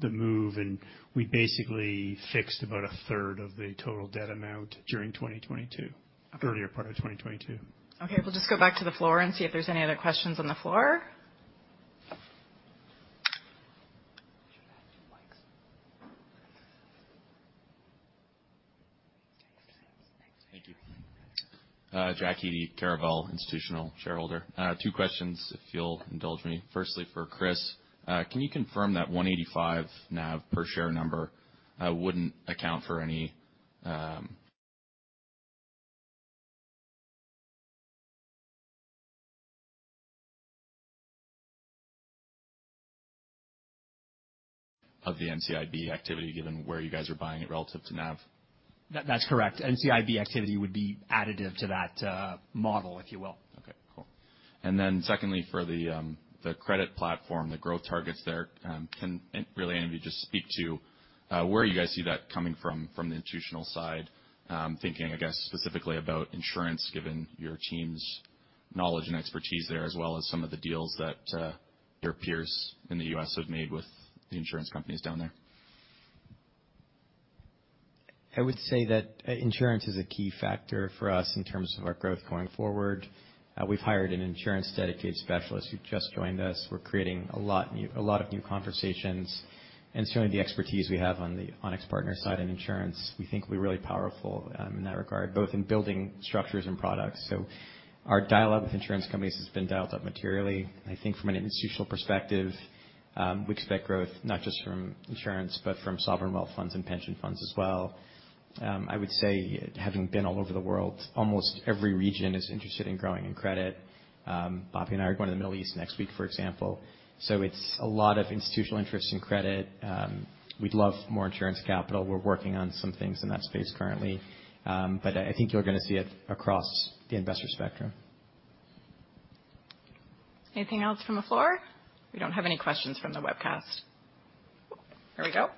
the move, and we basically fixed about a third of the total debt amount during 2022, the earlier part of 2022. Okay. We'll just go back to the floor and see if there's any other questions on the floor. Thank you. Jack Hidi, Caravel institutional shareholder. Two questions, if you'll indulge me. Firstly, for Chris, can you confirm that $185 NAV per share number wouldn't account for any of the NCIB activity, given where you guys are buying it relative to NAV? That, that's correct. NCIB activity would be additive to that, model, if you will. Okay, cool. And then secondly, for the credit platform, the growth targets there, can really any of you just speak to where you guys see that coming from, from the institutional side? Thinking, I guess, specifically about insurance, given your team's knowledge and expertise there, as well as some of the deals that your peers in the U.S. have made with the insurance companies down there. ... I would say that, insurance is a key factor for us in terms of our growth going forward. We've hired an insurance dedicated specialist who just joined us. We're creating a lot new, a lot of new conversations, and showing the expertise we have on the Onex Partners side in insurance. We think we're really powerful, in that regard, both in building structures and products. So our dialogue with insurance companies has been dialed up materially. I think from an institutional perspective, we expect growth not just from insurance, but from sovereign wealth funds and pension funds as well. I would say, having been all over the world, almost every region is interested in growing in credit. Bobby and I are going to the Middle East next week, for example. So it's a lot of institutional interest in credit. We'd love more insurance capital. We're working on some things in that space currently. But I think you're gonna see it across the investor spectrum. Anything else from the floor? We don't have any questions from the webcast. There we go.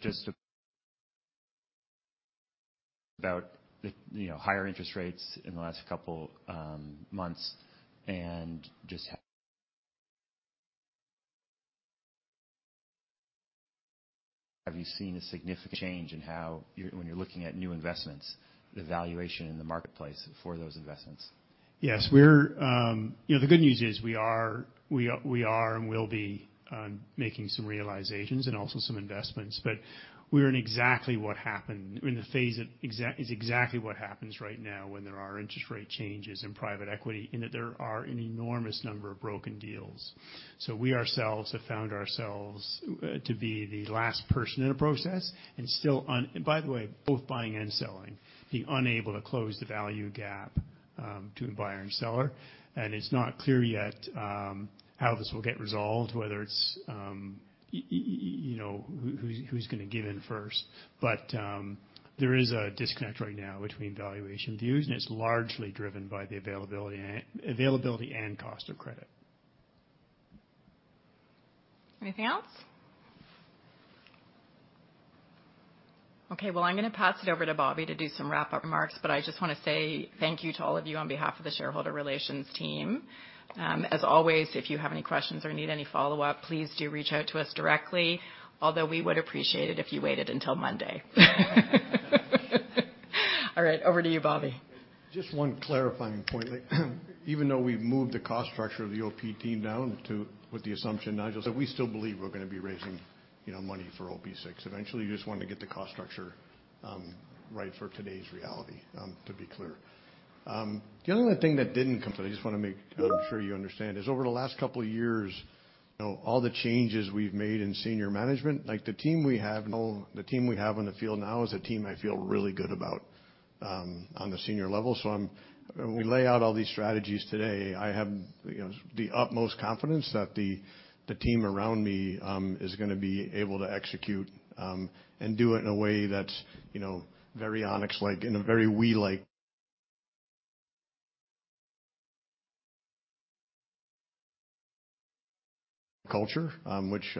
Just about, you know, higher interest rates in the last couple months, and just have you seen a significant change in how, when you're looking at new investments, the valuation in the marketplace for those investments? Yes. We're, you know, the good news is we are, we are, we are and will be making some realizations and also some investments. But we're in exactly what happened, in the phase that is exactly what happens right now when there are interest rate changes in Private Equity, in that there are an enormous number of broken deals. So we ourselves have found ourselves to be the last person in a process, and still, by the way, both buying and selling, being unable to close the value gap to a buyer and seller. And it's not clear yet how this will get resolved, whether it's you know, who, who, who's gonna give in first. But there is a disconnect right now between valuation views, and it's largely driven by the availability and cost of credit. Anything else? Okay, well, I'm gonna pass it over to Bobby to do some wrap-up remarks, but I just wanna say thank you to all of you on behalf of the shareholder relations team. As always, if you have any questions or need any follow-up, please do reach out to us directly, although we would appreciate it if you waited until Monday. All right, over to you, Bobby. Just one clarifying point. Even though we've moved the cost structure of the OP team down to- with the assumption, Nigel, that we still believe we're gonna be raising, you know, money for OP VI eventually, we just wanted to get the cost structure right for today's reality, to be clear. The other thing that didn't come through, I just wanna make sure you understand, is over the last couple of years, you know, all the changes we've made in senior management, like the team we have, the team we have on the field now is a team I feel really good about, on the senior level. When we lay out all these strategies today, I have, you know, the utmost confidence that the team around me is gonna be able to execute and do it in a way that's, you know, very Onex-like, in a very Onex-like culture, which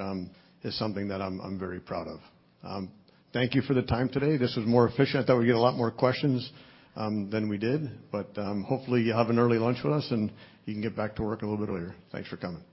is something that I'm very proud of. Thank you for the time today. This was more efficient. I thought we'd get a lot more questions than we did, but hopefully, you'll have an early lunch with us, and you can get back to work a little bit earlier. Thanks for coming.